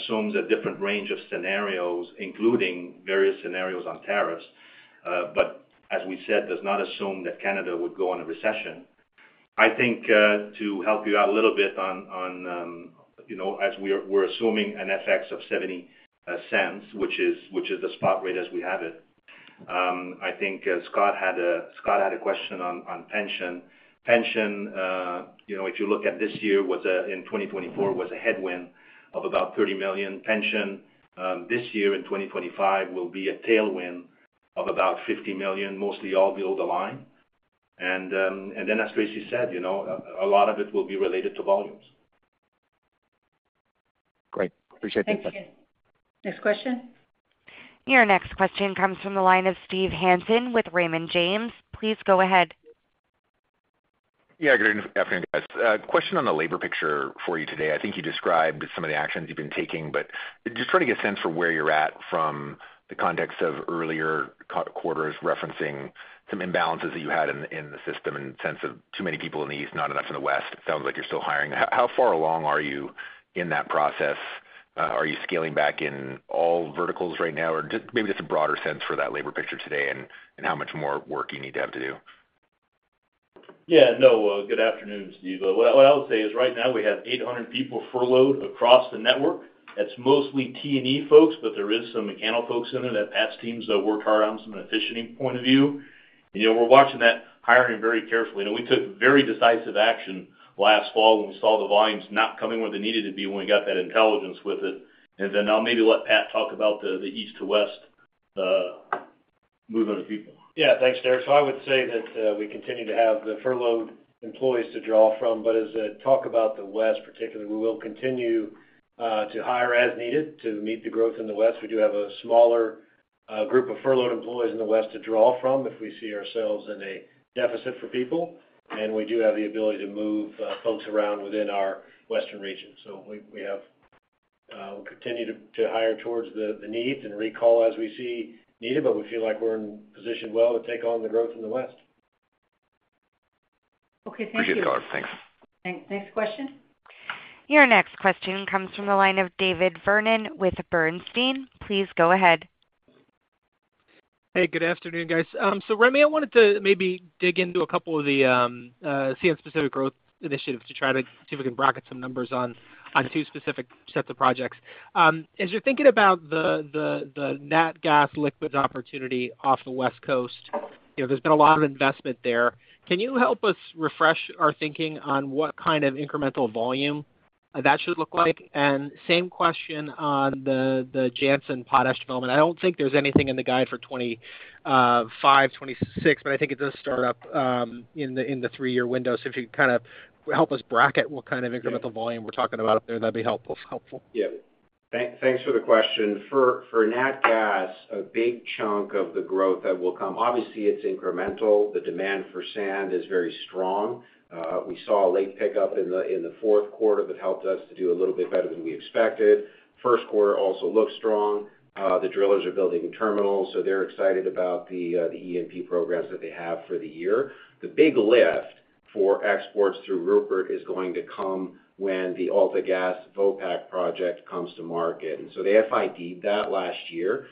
assumes a different range of scenarios, including various scenarios on tariffs, but as we said, does not assume that Canada would go on a recession. I think to help you out a little bit on, as we're assuming an FX of $0.70, which is the spot rate as we have it, I think Scott had a question on pension. Pension, if you look at this year, in 2024, was a headwind of about $30 million. Pension this year in 2025 will be a tailwind of about $50 million, mostly all below the line. And then, as Tracy said, a lot of it will be related to volumes. Great. Appreciate the insight. Thank you. Next question. Your next question comes from the line of Steve Hansen with Raymond James. Please go ahead. Yeah, good afternoon, guys. Question on the labor picture for you today. I think you described some of the actions you've been taking, but just trying to get a sense for where you're at from the context of earlier quarters referencing some imbalances that you had in the system in the sense of too many people in the east, not enough in the west. It sounds like you're still hiring. How far along are you in that process? Are you scaling back in all verticals right now? Or maybe just a broader sense for that labor picture today and how much more work you need to have to do? Yeah, no, good afternoon, Steve. What I would say is right now we have 800 people furloughed across the network. It's mostly T&E folks, but there are some mechanical folks in there that Pat's teams work hard on from an efficiency point of view. We're watching that hiring very carefully. We took very decisive action last fall when we saw the volumes not coming where they needed to be when we got that intelligence with it. And then I'll maybe let Pat talk about the east to west movement of people. Yeah, thanks, Derek. So I would say that we continue to have the furloughed employees to draw from. But as I talk about the west, particularly, we will continue to hire as needed to meet the growth in the west. We do have a smaller group of furloughed employees in the west to draw from if we see ourselves in a deficit for people, and we do have the ability to move folks around within our western region, so we continue to hire towards the needs and recall as we see needed, but we feel like we're in a position well to take on the growth in the west. Okay, thank you. Appreciate it. Thanks. Thanks. Next question. Your next question comes from the line of David Vernon with Bernstein. Please go ahead. Hey, good afternoon, guys. So Rémi, I wanted to maybe dig into a couple of the CN-specific growth initiatives to try to see if we can bracket some numbers on two specific sets of projects. As you're thinking about the natural gas liquid opportunity off the west coast, there's been a lot of investment there. Can you help us refresh our thinking on what kind of incremental volume that should look like? And same question on the Jansen potash development. I don't think there's anything in the guide for 2025, 2026, but I think it does start up in the three-year window. So if you could kind of help us bracket what kind of incremental volume we're talking about up there, that'd be helpful. Yeah. Thanks for the question. For natural gas, a big chunk of the growth that will come, obviously, it's incremental. The demand for sand is very strong. We saw a late pickup in the Q4 that helped us to do a little bit better than we expected. Q1 also looks strong. The drillers are building terminals, so they're excited about the E&P programs that they have for the year. The big lift for exports through Rupert is going to come when the AltaGas Vopak project comes to market. And so they FID'd that last year.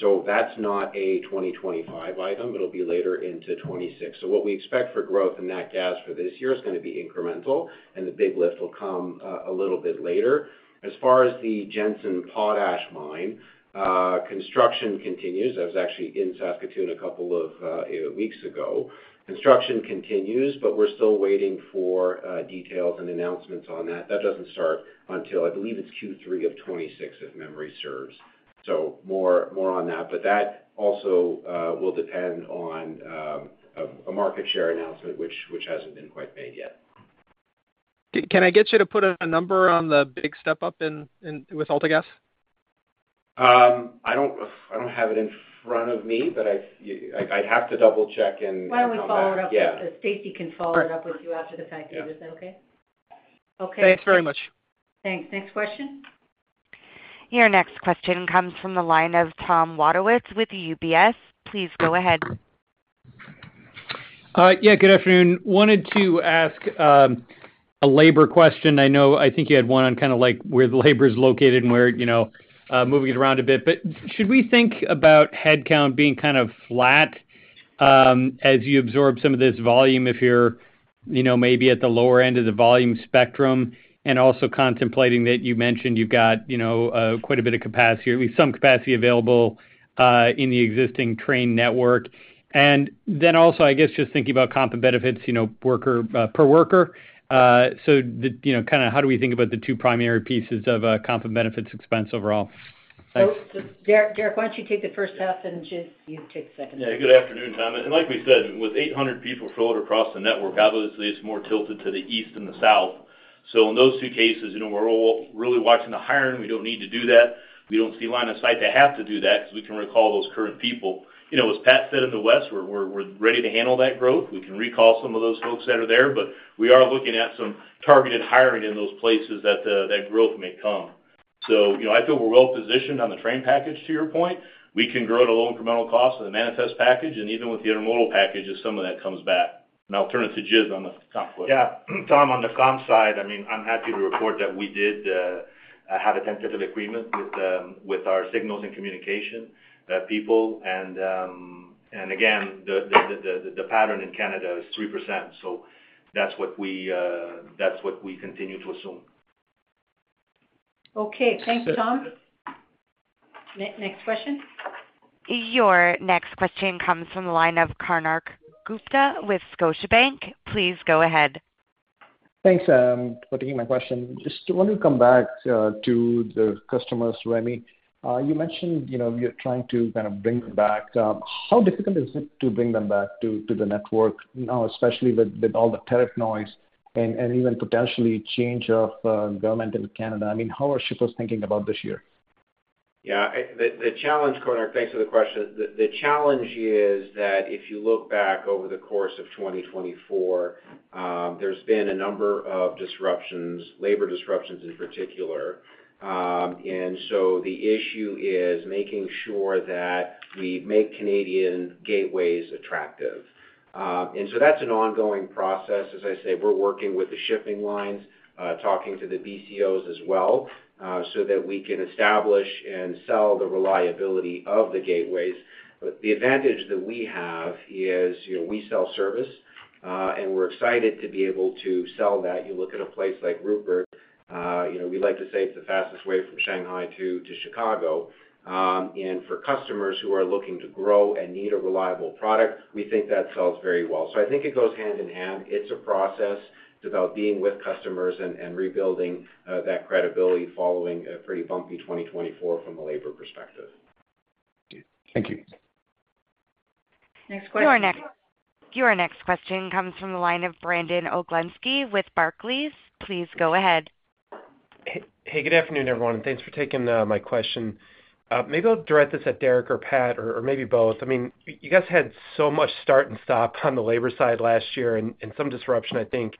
So that's not a 2025 item. It'll be later into 2026. So what we expect for growth in natural gas for this year is going to be incremental, and the big lift will come a little bit later. As far as the Jansen potash mine, construction continues. I was actually in Saskatoon a couple of weeks ago. Construction continues, but we're still waiting for details and announcements on that. That doesn't start until, I believe it's Q3 of 2026, if memory serves. So more on that. But that also will depend on a market share announcement, which hasn't been quite made yet. Can I get you to put in a number on the big step up with AltaGas? I don't have it in front of me, but I'd have to double-check and. Why don't we follow it up with Stacy? Can follow it up with you after the fact? Is that okay? Thanks very much. Thanks. Next question. Your next question comes from the line of Tom Wadewitz with UBS. Please go ahead. Yeah, good afternoon. Wanted to ask a labor question. I think you had one on kind of where the labor is located and where moving it around a bit. But should we think about headcount being kind of flat as you absorb some of this volume if you're maybe at the lower end of the volume spectrum? And also contemplating that you mentioned you've got quite a bit of capacity, at least some capacity available in the existing train network. And then also, I guess, just thinking about comp and benefits, per worker. So kind of how do we think about the two primary pieces of comp and benefits expense overall? Derek, why don't you take the first half, and Ghis, you take the second half. Yeah, good afternoon, Tom. And like we said, with 800 people furloughed across the network, obviously, it's more tilted to the east than the south. So in those two cases, we're really watching the hiring. We don't need to do that. We don't see a line of sight that has to do that because we can recall those current people. As Pat said, in the west, we're ready to handle that growth. We can recall some of those folks that are there, but we are looking at some targeted hiring in those places that growth may come. So I feel we're well-positioned on the train package, to your point. We can grow at a low incremental cost with the manifest package. And even with the intermodal package, if some of that comes back. And I'll turn it to Ghislain on the comp question. Yeah. Tom, on the comp side, I mean, I'm happy to report that we did have a tentative agreement with our signals and communication people. And again, the pattern in Canada is 3%. So that's what we continue to assume. Okay. Thanks, Tom. Next question. Your next question comes from the line of Konark Gupta with Scotiabank. Please go ahead. Thanks for taking my question. Just wanted to come back to the customers, Rémi. You mentioned you're trying to kind of bring them back. How difficult is it to bring them back to the network now, especially with all the tariff noise and even potentially change of government in Canada? I mean, how are shippers thinking about this year? Yeah. The challenge, Konark, thanks for the question. The challenge is that if you look back over the course of 2024, there's been a number of disruptions, labor disruptions in particular, and so the issue is making sure that we make Canadian gateways attractive, and so that's an ongoing process. As I say, we're working with the shipping lines, talking to the BCOs as well, so that we can establish and sell the reliability of the gateways, but the advantage that we have is we sell service, and we're excited to be able to sell that. You look at a place like Rupert, we like to say it's the fastest way from Shanghai to Chicago, and for customers who are looking to grow and need a reliable product, we think that sells very well, so I think it goes hand in hand. It's a process about being with customers and rebuilding that credibility following a pretty bumpy 2024 from a labor perspective. Thank you. Next question. Your next question comes from the line of Brandon Oglenski with Barclays. Please go ahead. Hey, good afternoon, everyone. And thanks for taking my question. Maybe I'll direct this at Derek or Pat, or maybe both. I mean, you guys had so much start and stop on the labor side last year and some disruption, I think,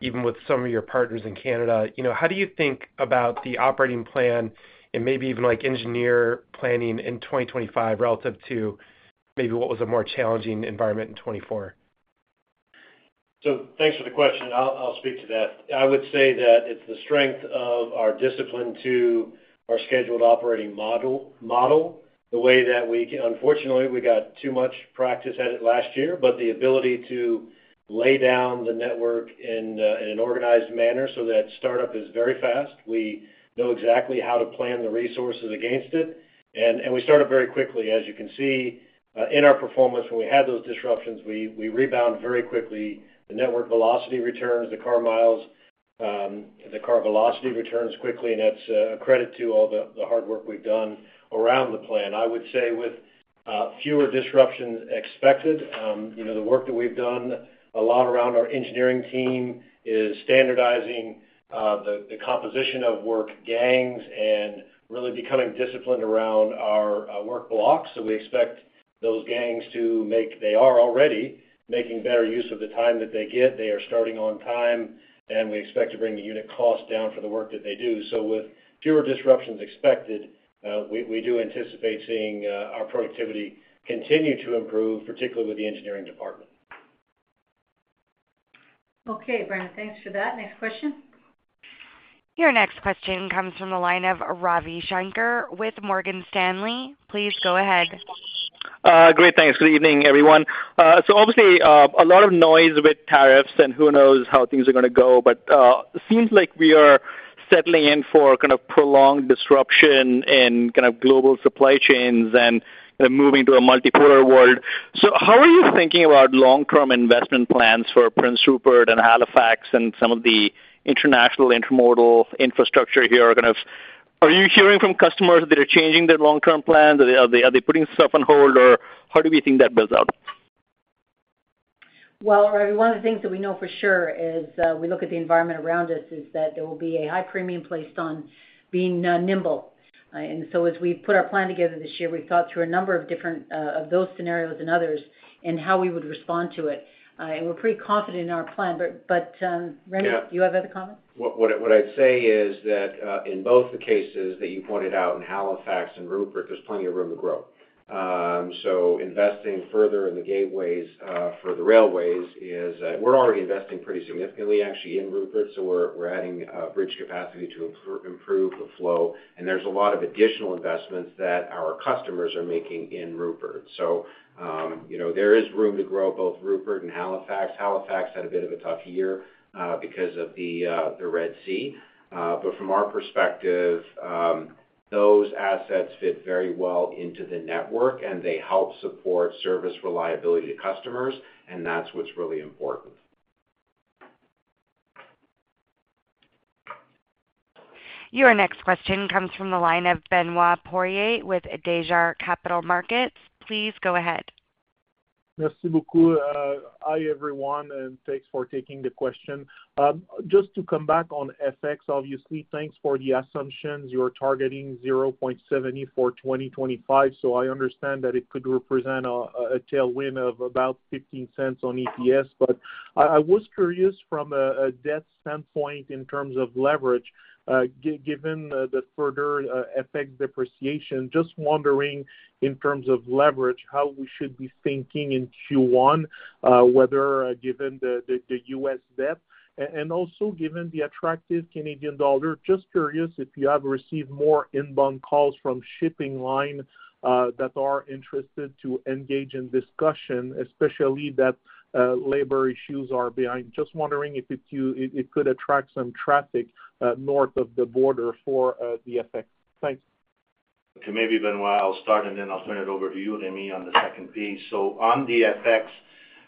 even with some of your partners in Canada. How do you think about the operating plan and maybe even engineer planning in 2025 relative to maybe what was a more challenging environment in 2024? Thanks for the question. I'll speak to that. I would say that it's the strength of our discipline to our scheduled operating model, the way that we can, unfortunately, we got too much practice at it last year, but the ability to lay down the network in an organized manner so that startup is very fast. We know exactly how to plan the resources against it. And we started very quickly, as you can see, in our performance, when we had those disruptions, we rebound very quickly. The network velocity returns, the car miles, the car velocity returns quickly, and that's a credit to all the hard work we've done around the plan. I would say with fewer disruptions expected, the work that we've done a lot around our engineering team is standardizing the composition of work gangs and really becoming disciplined around our work blocks. We expect those gangs to make. They are already making better use of the time that they get. They are starting on time, and we expect to bring the unit cost down for the work that they do. With fewer disruptions expected, we do anticipate seeing our productivity continue to improve, particularly with the engineering department. Okay, Brandon. Thanks for that. Next question. Your next question comes from the line of Ravi Shanker with Morgan Stanley. Please go ahead. Great. Thanks. Good evening, everyone. So obviously, a lot of noise with tariffs and who knows how things are going to go, but it seems like we are settling in for kind of prolonged disruption in kind of global supply chains and moving to a multipolar world. So how are you thinking about long-term investment plans for Prince Rupert and Halifax and some of the international intermodal infrastructure here? Are you hearing from customers that they're changing their long-term plans? Are they putting stuff on hold? Or how do we think that builds out? Rémi, one of the things that we know for sure is we look at the environment around us is that there will be a high pRémium placed on being nimble. And so as we put our plan together this year, we thought through a number of different of those scenarios and others and how we would respond to it. And we're pretty confident in our plan. But Rémi, do you have other comments? What I'd say is that in both the cases that you pointed out in Halifax and Rupert, there's plenty of room to grow. So investing further in the gateways for the railways is, we're already investing pretty significantly, actually, in Rupert. So we're adding bridge capacity to improve the flow. And there's a lot of additional investments that our customers are making in Rupert. So there is room to grow both Rupert and Halifax. Halifax had a bit of a tough year because of the Red Sea. But from our perspective, those assets fit very well into the network, and they help support service reliability to customers. And that's what's really important. Your next question comes from the line of Benoit Poirier with Desjardins Capital Markets. Please go ahead. Merci beaucoup. Hi everyone, and thanks for taking the question. Just to come back on FX, obviously, thanks for the assumptions. You're targeting 0.70 for 2025. So I understand that it could represent a tailwind of about 15 cents on EPS. But I was curious from a debt standpoint in terms of leverage, given the further FX depreciation, just wondering in terms of leverage, how we should be thinking in Q1, whether given the US debt and also given the attractive Canadian dollar. Just curious if you have received more inbound calls from shipping line that are interested to engage in discussion, especially that labor issues are behind. Just wondering if it could attract some traffic north of the border for the FX. Thanks. To maybe Benoit, I'll start, and then I'll turn it over to you, Rémi, on the second piece. So on the FX,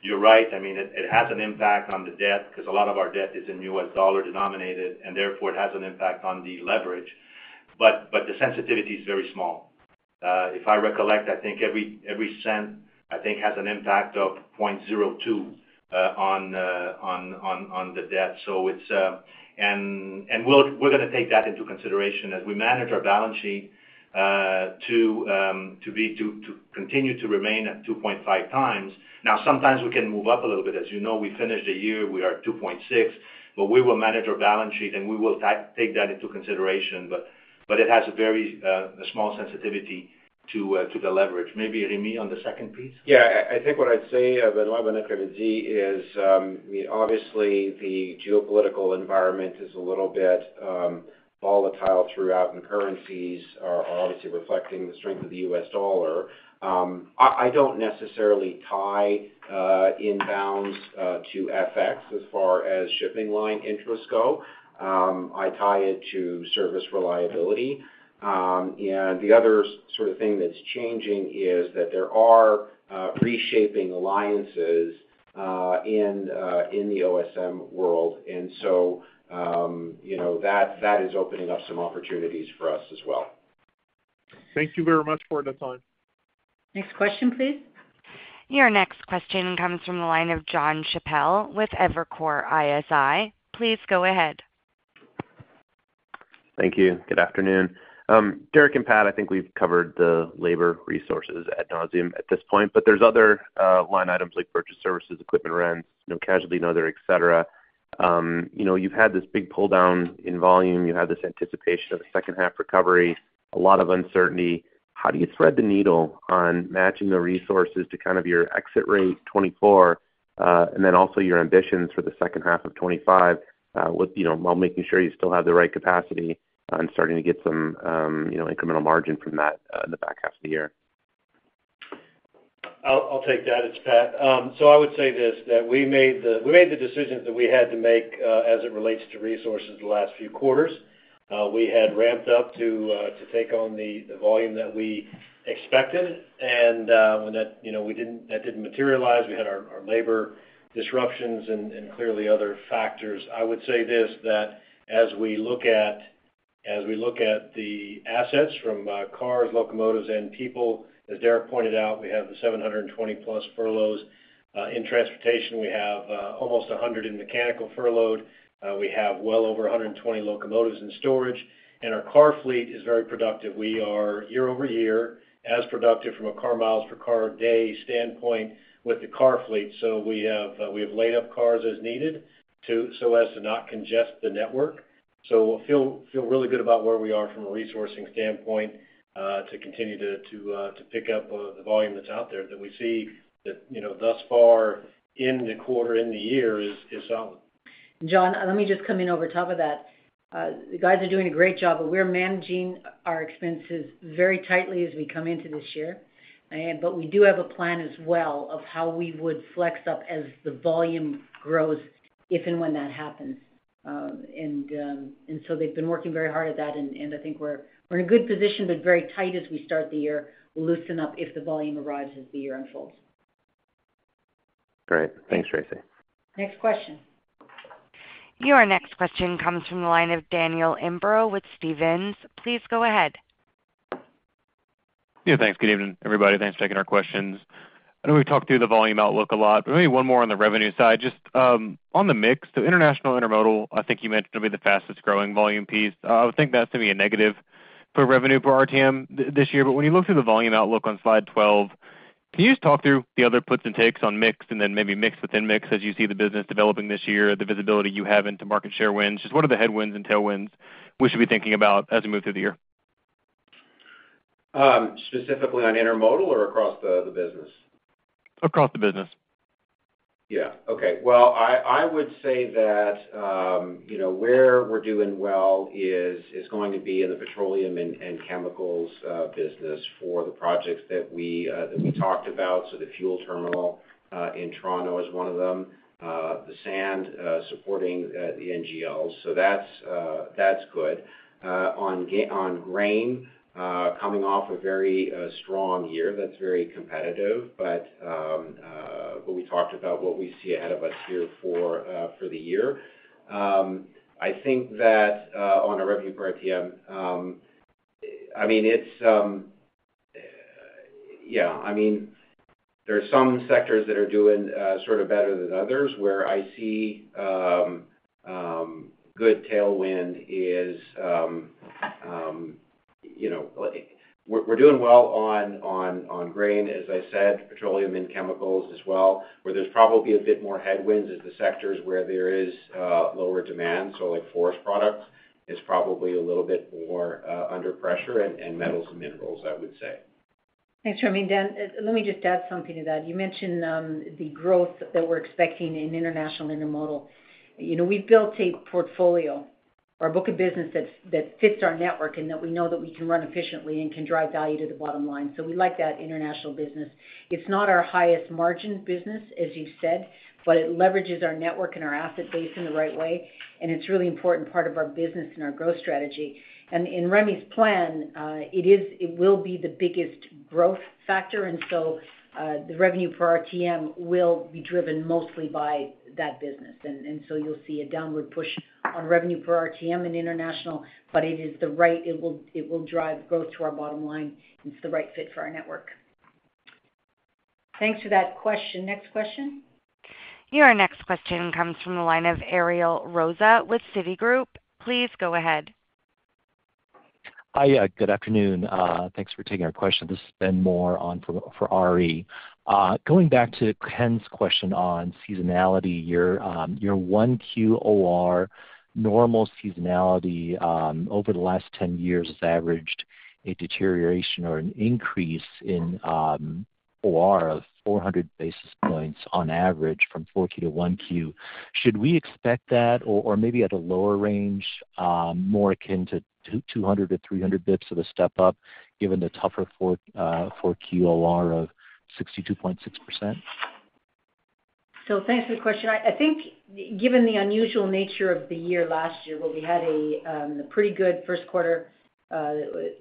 you're right. I mean, it has an impact on the debt because a lot of our debt is in U.S. dollar denominated, and therefore it has an impact on the leverage. But the sensitivity is very small. If I recollect, I think every cent, I think, has an impact of 0.02 on the debt. And we're going to take that into consideration as we manage our balance sheet to continue to remain at 2.5 times. Now, sometimes we can move up a little bit. As you know, we finished the year, we are at 2.6, but we will manage our balance sheet, and we will take that into consideration. But it has a very small sensitivity to the leverage. Maybe Rémi on the second piece? Yeah. I think what I'd say, Benoit Poirier, is obviously the geopolitical environment is a little bit volatile throughout, and currencies are obviously reflecting the strength of the U.S. dollar. I don't necessarily tie inbounds to FX as far as shipping line interests go. I tie it to service reliability, and the other sort of thing that's changing is that there are reshaping alliances in the OSM world, and so that is opening up some opportunities for us as well. Thank you very much for the time. Next question, please. Your next question comes from the line of Jon Chappell with Evercore ISI. Please go ahead. Thank you. Good afternoon. Derek and Pat, I think we've covered the labor resources ad nauseam at this point, but there's other line items like purchase services, equipment rents, casualty and other, etc. You've had this big pull down in volume. You have this anticipation of a second half recovery, a lot of uncertainty. How do you thread the needle on matching the resources to kind of your exit rate 2024, and then also your ambitions for the second half of 2025 while making sure you still have the right capacity and starting to get some incremental margin from that in the back half of the year? I'll take that. It's Pat. So I would say this, that we made the decisions that we had to make as it relates to resources the last few quarters. We had ramped up to take on the volume that we expected, and when that didn't materialize, we had our labor disruptions and clearly other factors. I would say this that as we look at the assets from cars, locomotives, and people, as Derek pointed out, we have the 720-plus furloughs. In transportation, we have almost 100 in mechanical furloughed. We have well over 120 locomotives in storage, and our car fleet is very productive. We are year over year as productive from a car miles per car day standpoint with the car fleet, so we have laid up cars as needed so as to not congest the network. So feel really good about where we are from a resourcing standpoint to continue to pick up the volume that's out there that we see that thus far in the quarter, in the year is solid. Jon, let me just come in over top of that. The guys are doing a great job, but we're managing our expenses very tightly as we come into this year. But we do have a plan as well of how we would flex up as the volume grows if and when that happens. And so they've been working very hard at that. And I think we're in a good position, but very tight as we start the year. We'll loosen up if the volume arrives as the year unfolds. Great. Thanks, Tracy. Next question. Your next question comes from the line of Daniel Imbro with Stephens. Please go ahead. Yeah. Thanks. Good evening, everybody. Thanks for taking our questions. I know we've talked through the volume outlook a lot. Maybe one more on the revenue side. Just on the mix, the international intermodal, I think you mentioned would be the fastest growing volume piece. I would think that's going to be a negative for revenue for RTM this year. But when you look through the volume outlook on slide 12, can you just talk through the other puts and takes on mix and then maybe mix within mix as you see the business developing this year, the visibility you have into market share wins? Just what are the headwinds and tailwinds we should be thinking about as we move through the year? Specifically on intermodal or across the business? Across the business. Yeah. Okay. Well, I would say that where we're doing well is going to be in the petroleum and chemicals business for the projects that we talked about. So the fuel terminal in Toronto is one of them, the sand supporting the NGLs. So that's good. On grain, coming off a very strong year, that's very competitive. But we talked about what we see ahead of us here for the year. I think that on a revenue per RTM, I mean, it's yeah. I mean, there are some sectors that are doing sort of better than others where I see good tailwind is we're doing well on grain, as I said, petroleum and chemicals as well, where there's probably a bit more headwinds as the sectors where there is lower demand. So forest products is probably a little bit more under pressure and metals and minerals, I would say. Thanks, Rémi. Let me just add something to that. You mentioned the growth that we're expecting in international intermodal. We've built a portfolio or a book of business that fits our network and that we know that we can run efficiently and can drive value to the bottom line. So we like that international business. It's not our highest margin business, as you've said, but it leverages our network and our asset base in the right way. And it's a really important part of our business and our growth strategy. And in Rémi's plan, it will be the biggest growth factor. And so the revenue per RTM will be driven mostly by that business. And so you'll see a downward push on revenue per RTM and international, but it is the right. It will drive growth to our bottom line. It's the right fit for our network. Thanks for that question. Next question. Your next question comes from the line of Ariel Rosa with Citigroup. Please go ahead. Hi. Good afternoon. Thanks for taking our question. This has been more on for RE. Going back to Ken's question on seasonality, your 1Q OR normal seasonality over the last 10 years has averaged a deterioration or an increase in OR of 400 basis points on average from 4Q to 1Q. Should we expect that or maybe at a lower range, more akin to 200 to 300 basis points of a step up given the tougher 4Q OR of 62.6%? So thanks for the question. I think given the unusual nature of the year last year, where we had a pretty good Q1,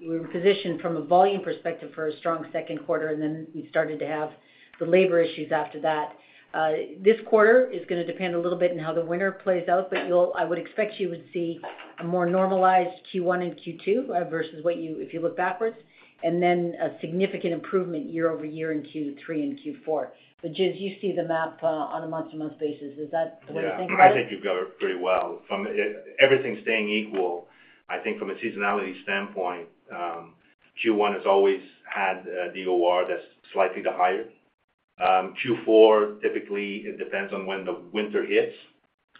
we were positioned from a volume perspective for a strong Q2, and then we started to have the labor issues after that. This quarter is going to depend a little bit on how the winter plays out, but I would expect you would see a more normalized Q1 and Q2 versus if you look backwards, and then a significant improvement year over year in Q3 and Q4. But as you see the map on a month-to-month basis, is that the way you think about it? Yeah. I think you've got it pretty well. Everything staying equal, I think from a seasonality standpoint, Q1 has always had the OR that's slightly the higher. Q4, typically, it depends on when the winter hits.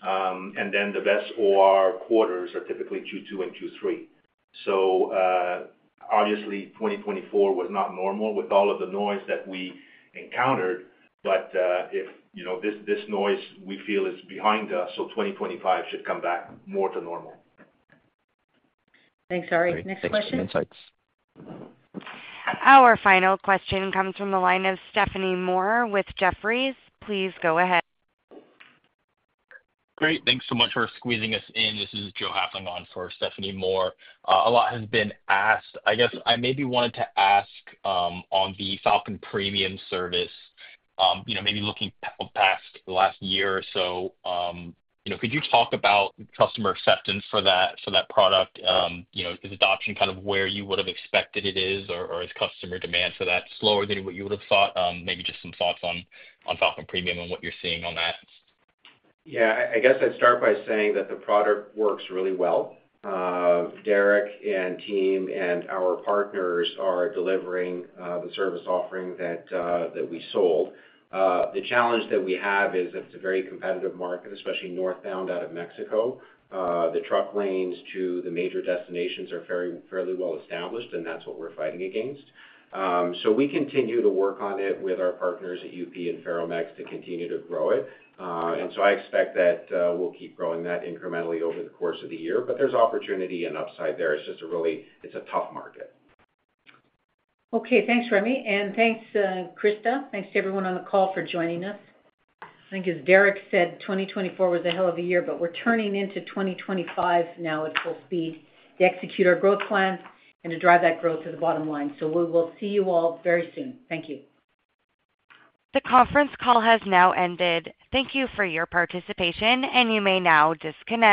And then the best OR quarters are typically Q2 and Q3. So obviously, 2024 was not normal with all of the noise that we encountered. But if this noise, we feel, is behind us, so 2025 should come back more to normal. Thanks, Ari. Next question. Thanks for the insights. Our final question comes from the line of Stephanie Moore with Jefferies. Please go ahead. Great. Thanks so much for squeezing us in. This is Joe Hafling for Stephanie Moore. A lot has been asked. I guess I maybe wanted to ask on the Falcon Premium service, maybe looking past the last year or so, could you talk about customer acceptance for that product? Is adoption kind of where you would have expected it is, or is customer demand for that slower than what you would have thought? Maybe just some thoughts on Falcon Premium and what you're seeing on that. Yeah. I guess I'd start by saying that the product works really well. Derek and team and our partners are delivering the service offering that we sold. The challenge that we have is it's a very competitive market, especially northbound out of Mexico. The truck lanes to the major destinations are fairly well established, and that's what we're fighting against. So we continue to work on it with our partners at UP and Ferromex to continue to grow it, and so I expect that we'll keep growing that incrementally over the course of the year, but there's opportunity and upside there. It's just a really tough market. Okay. Thanks, Rémi, and thanks, Krista. Thanks to everyone on the call for joining us. I think, as Derek said, 2024 was a hell of a year, but we're turning into 2025 now at full speed to execute our growth plan and to drive that growth to the bottom line, so we will see you all very soon. Thank you. The conference call has now ended. Thank you for your participation, and you may now disconnect.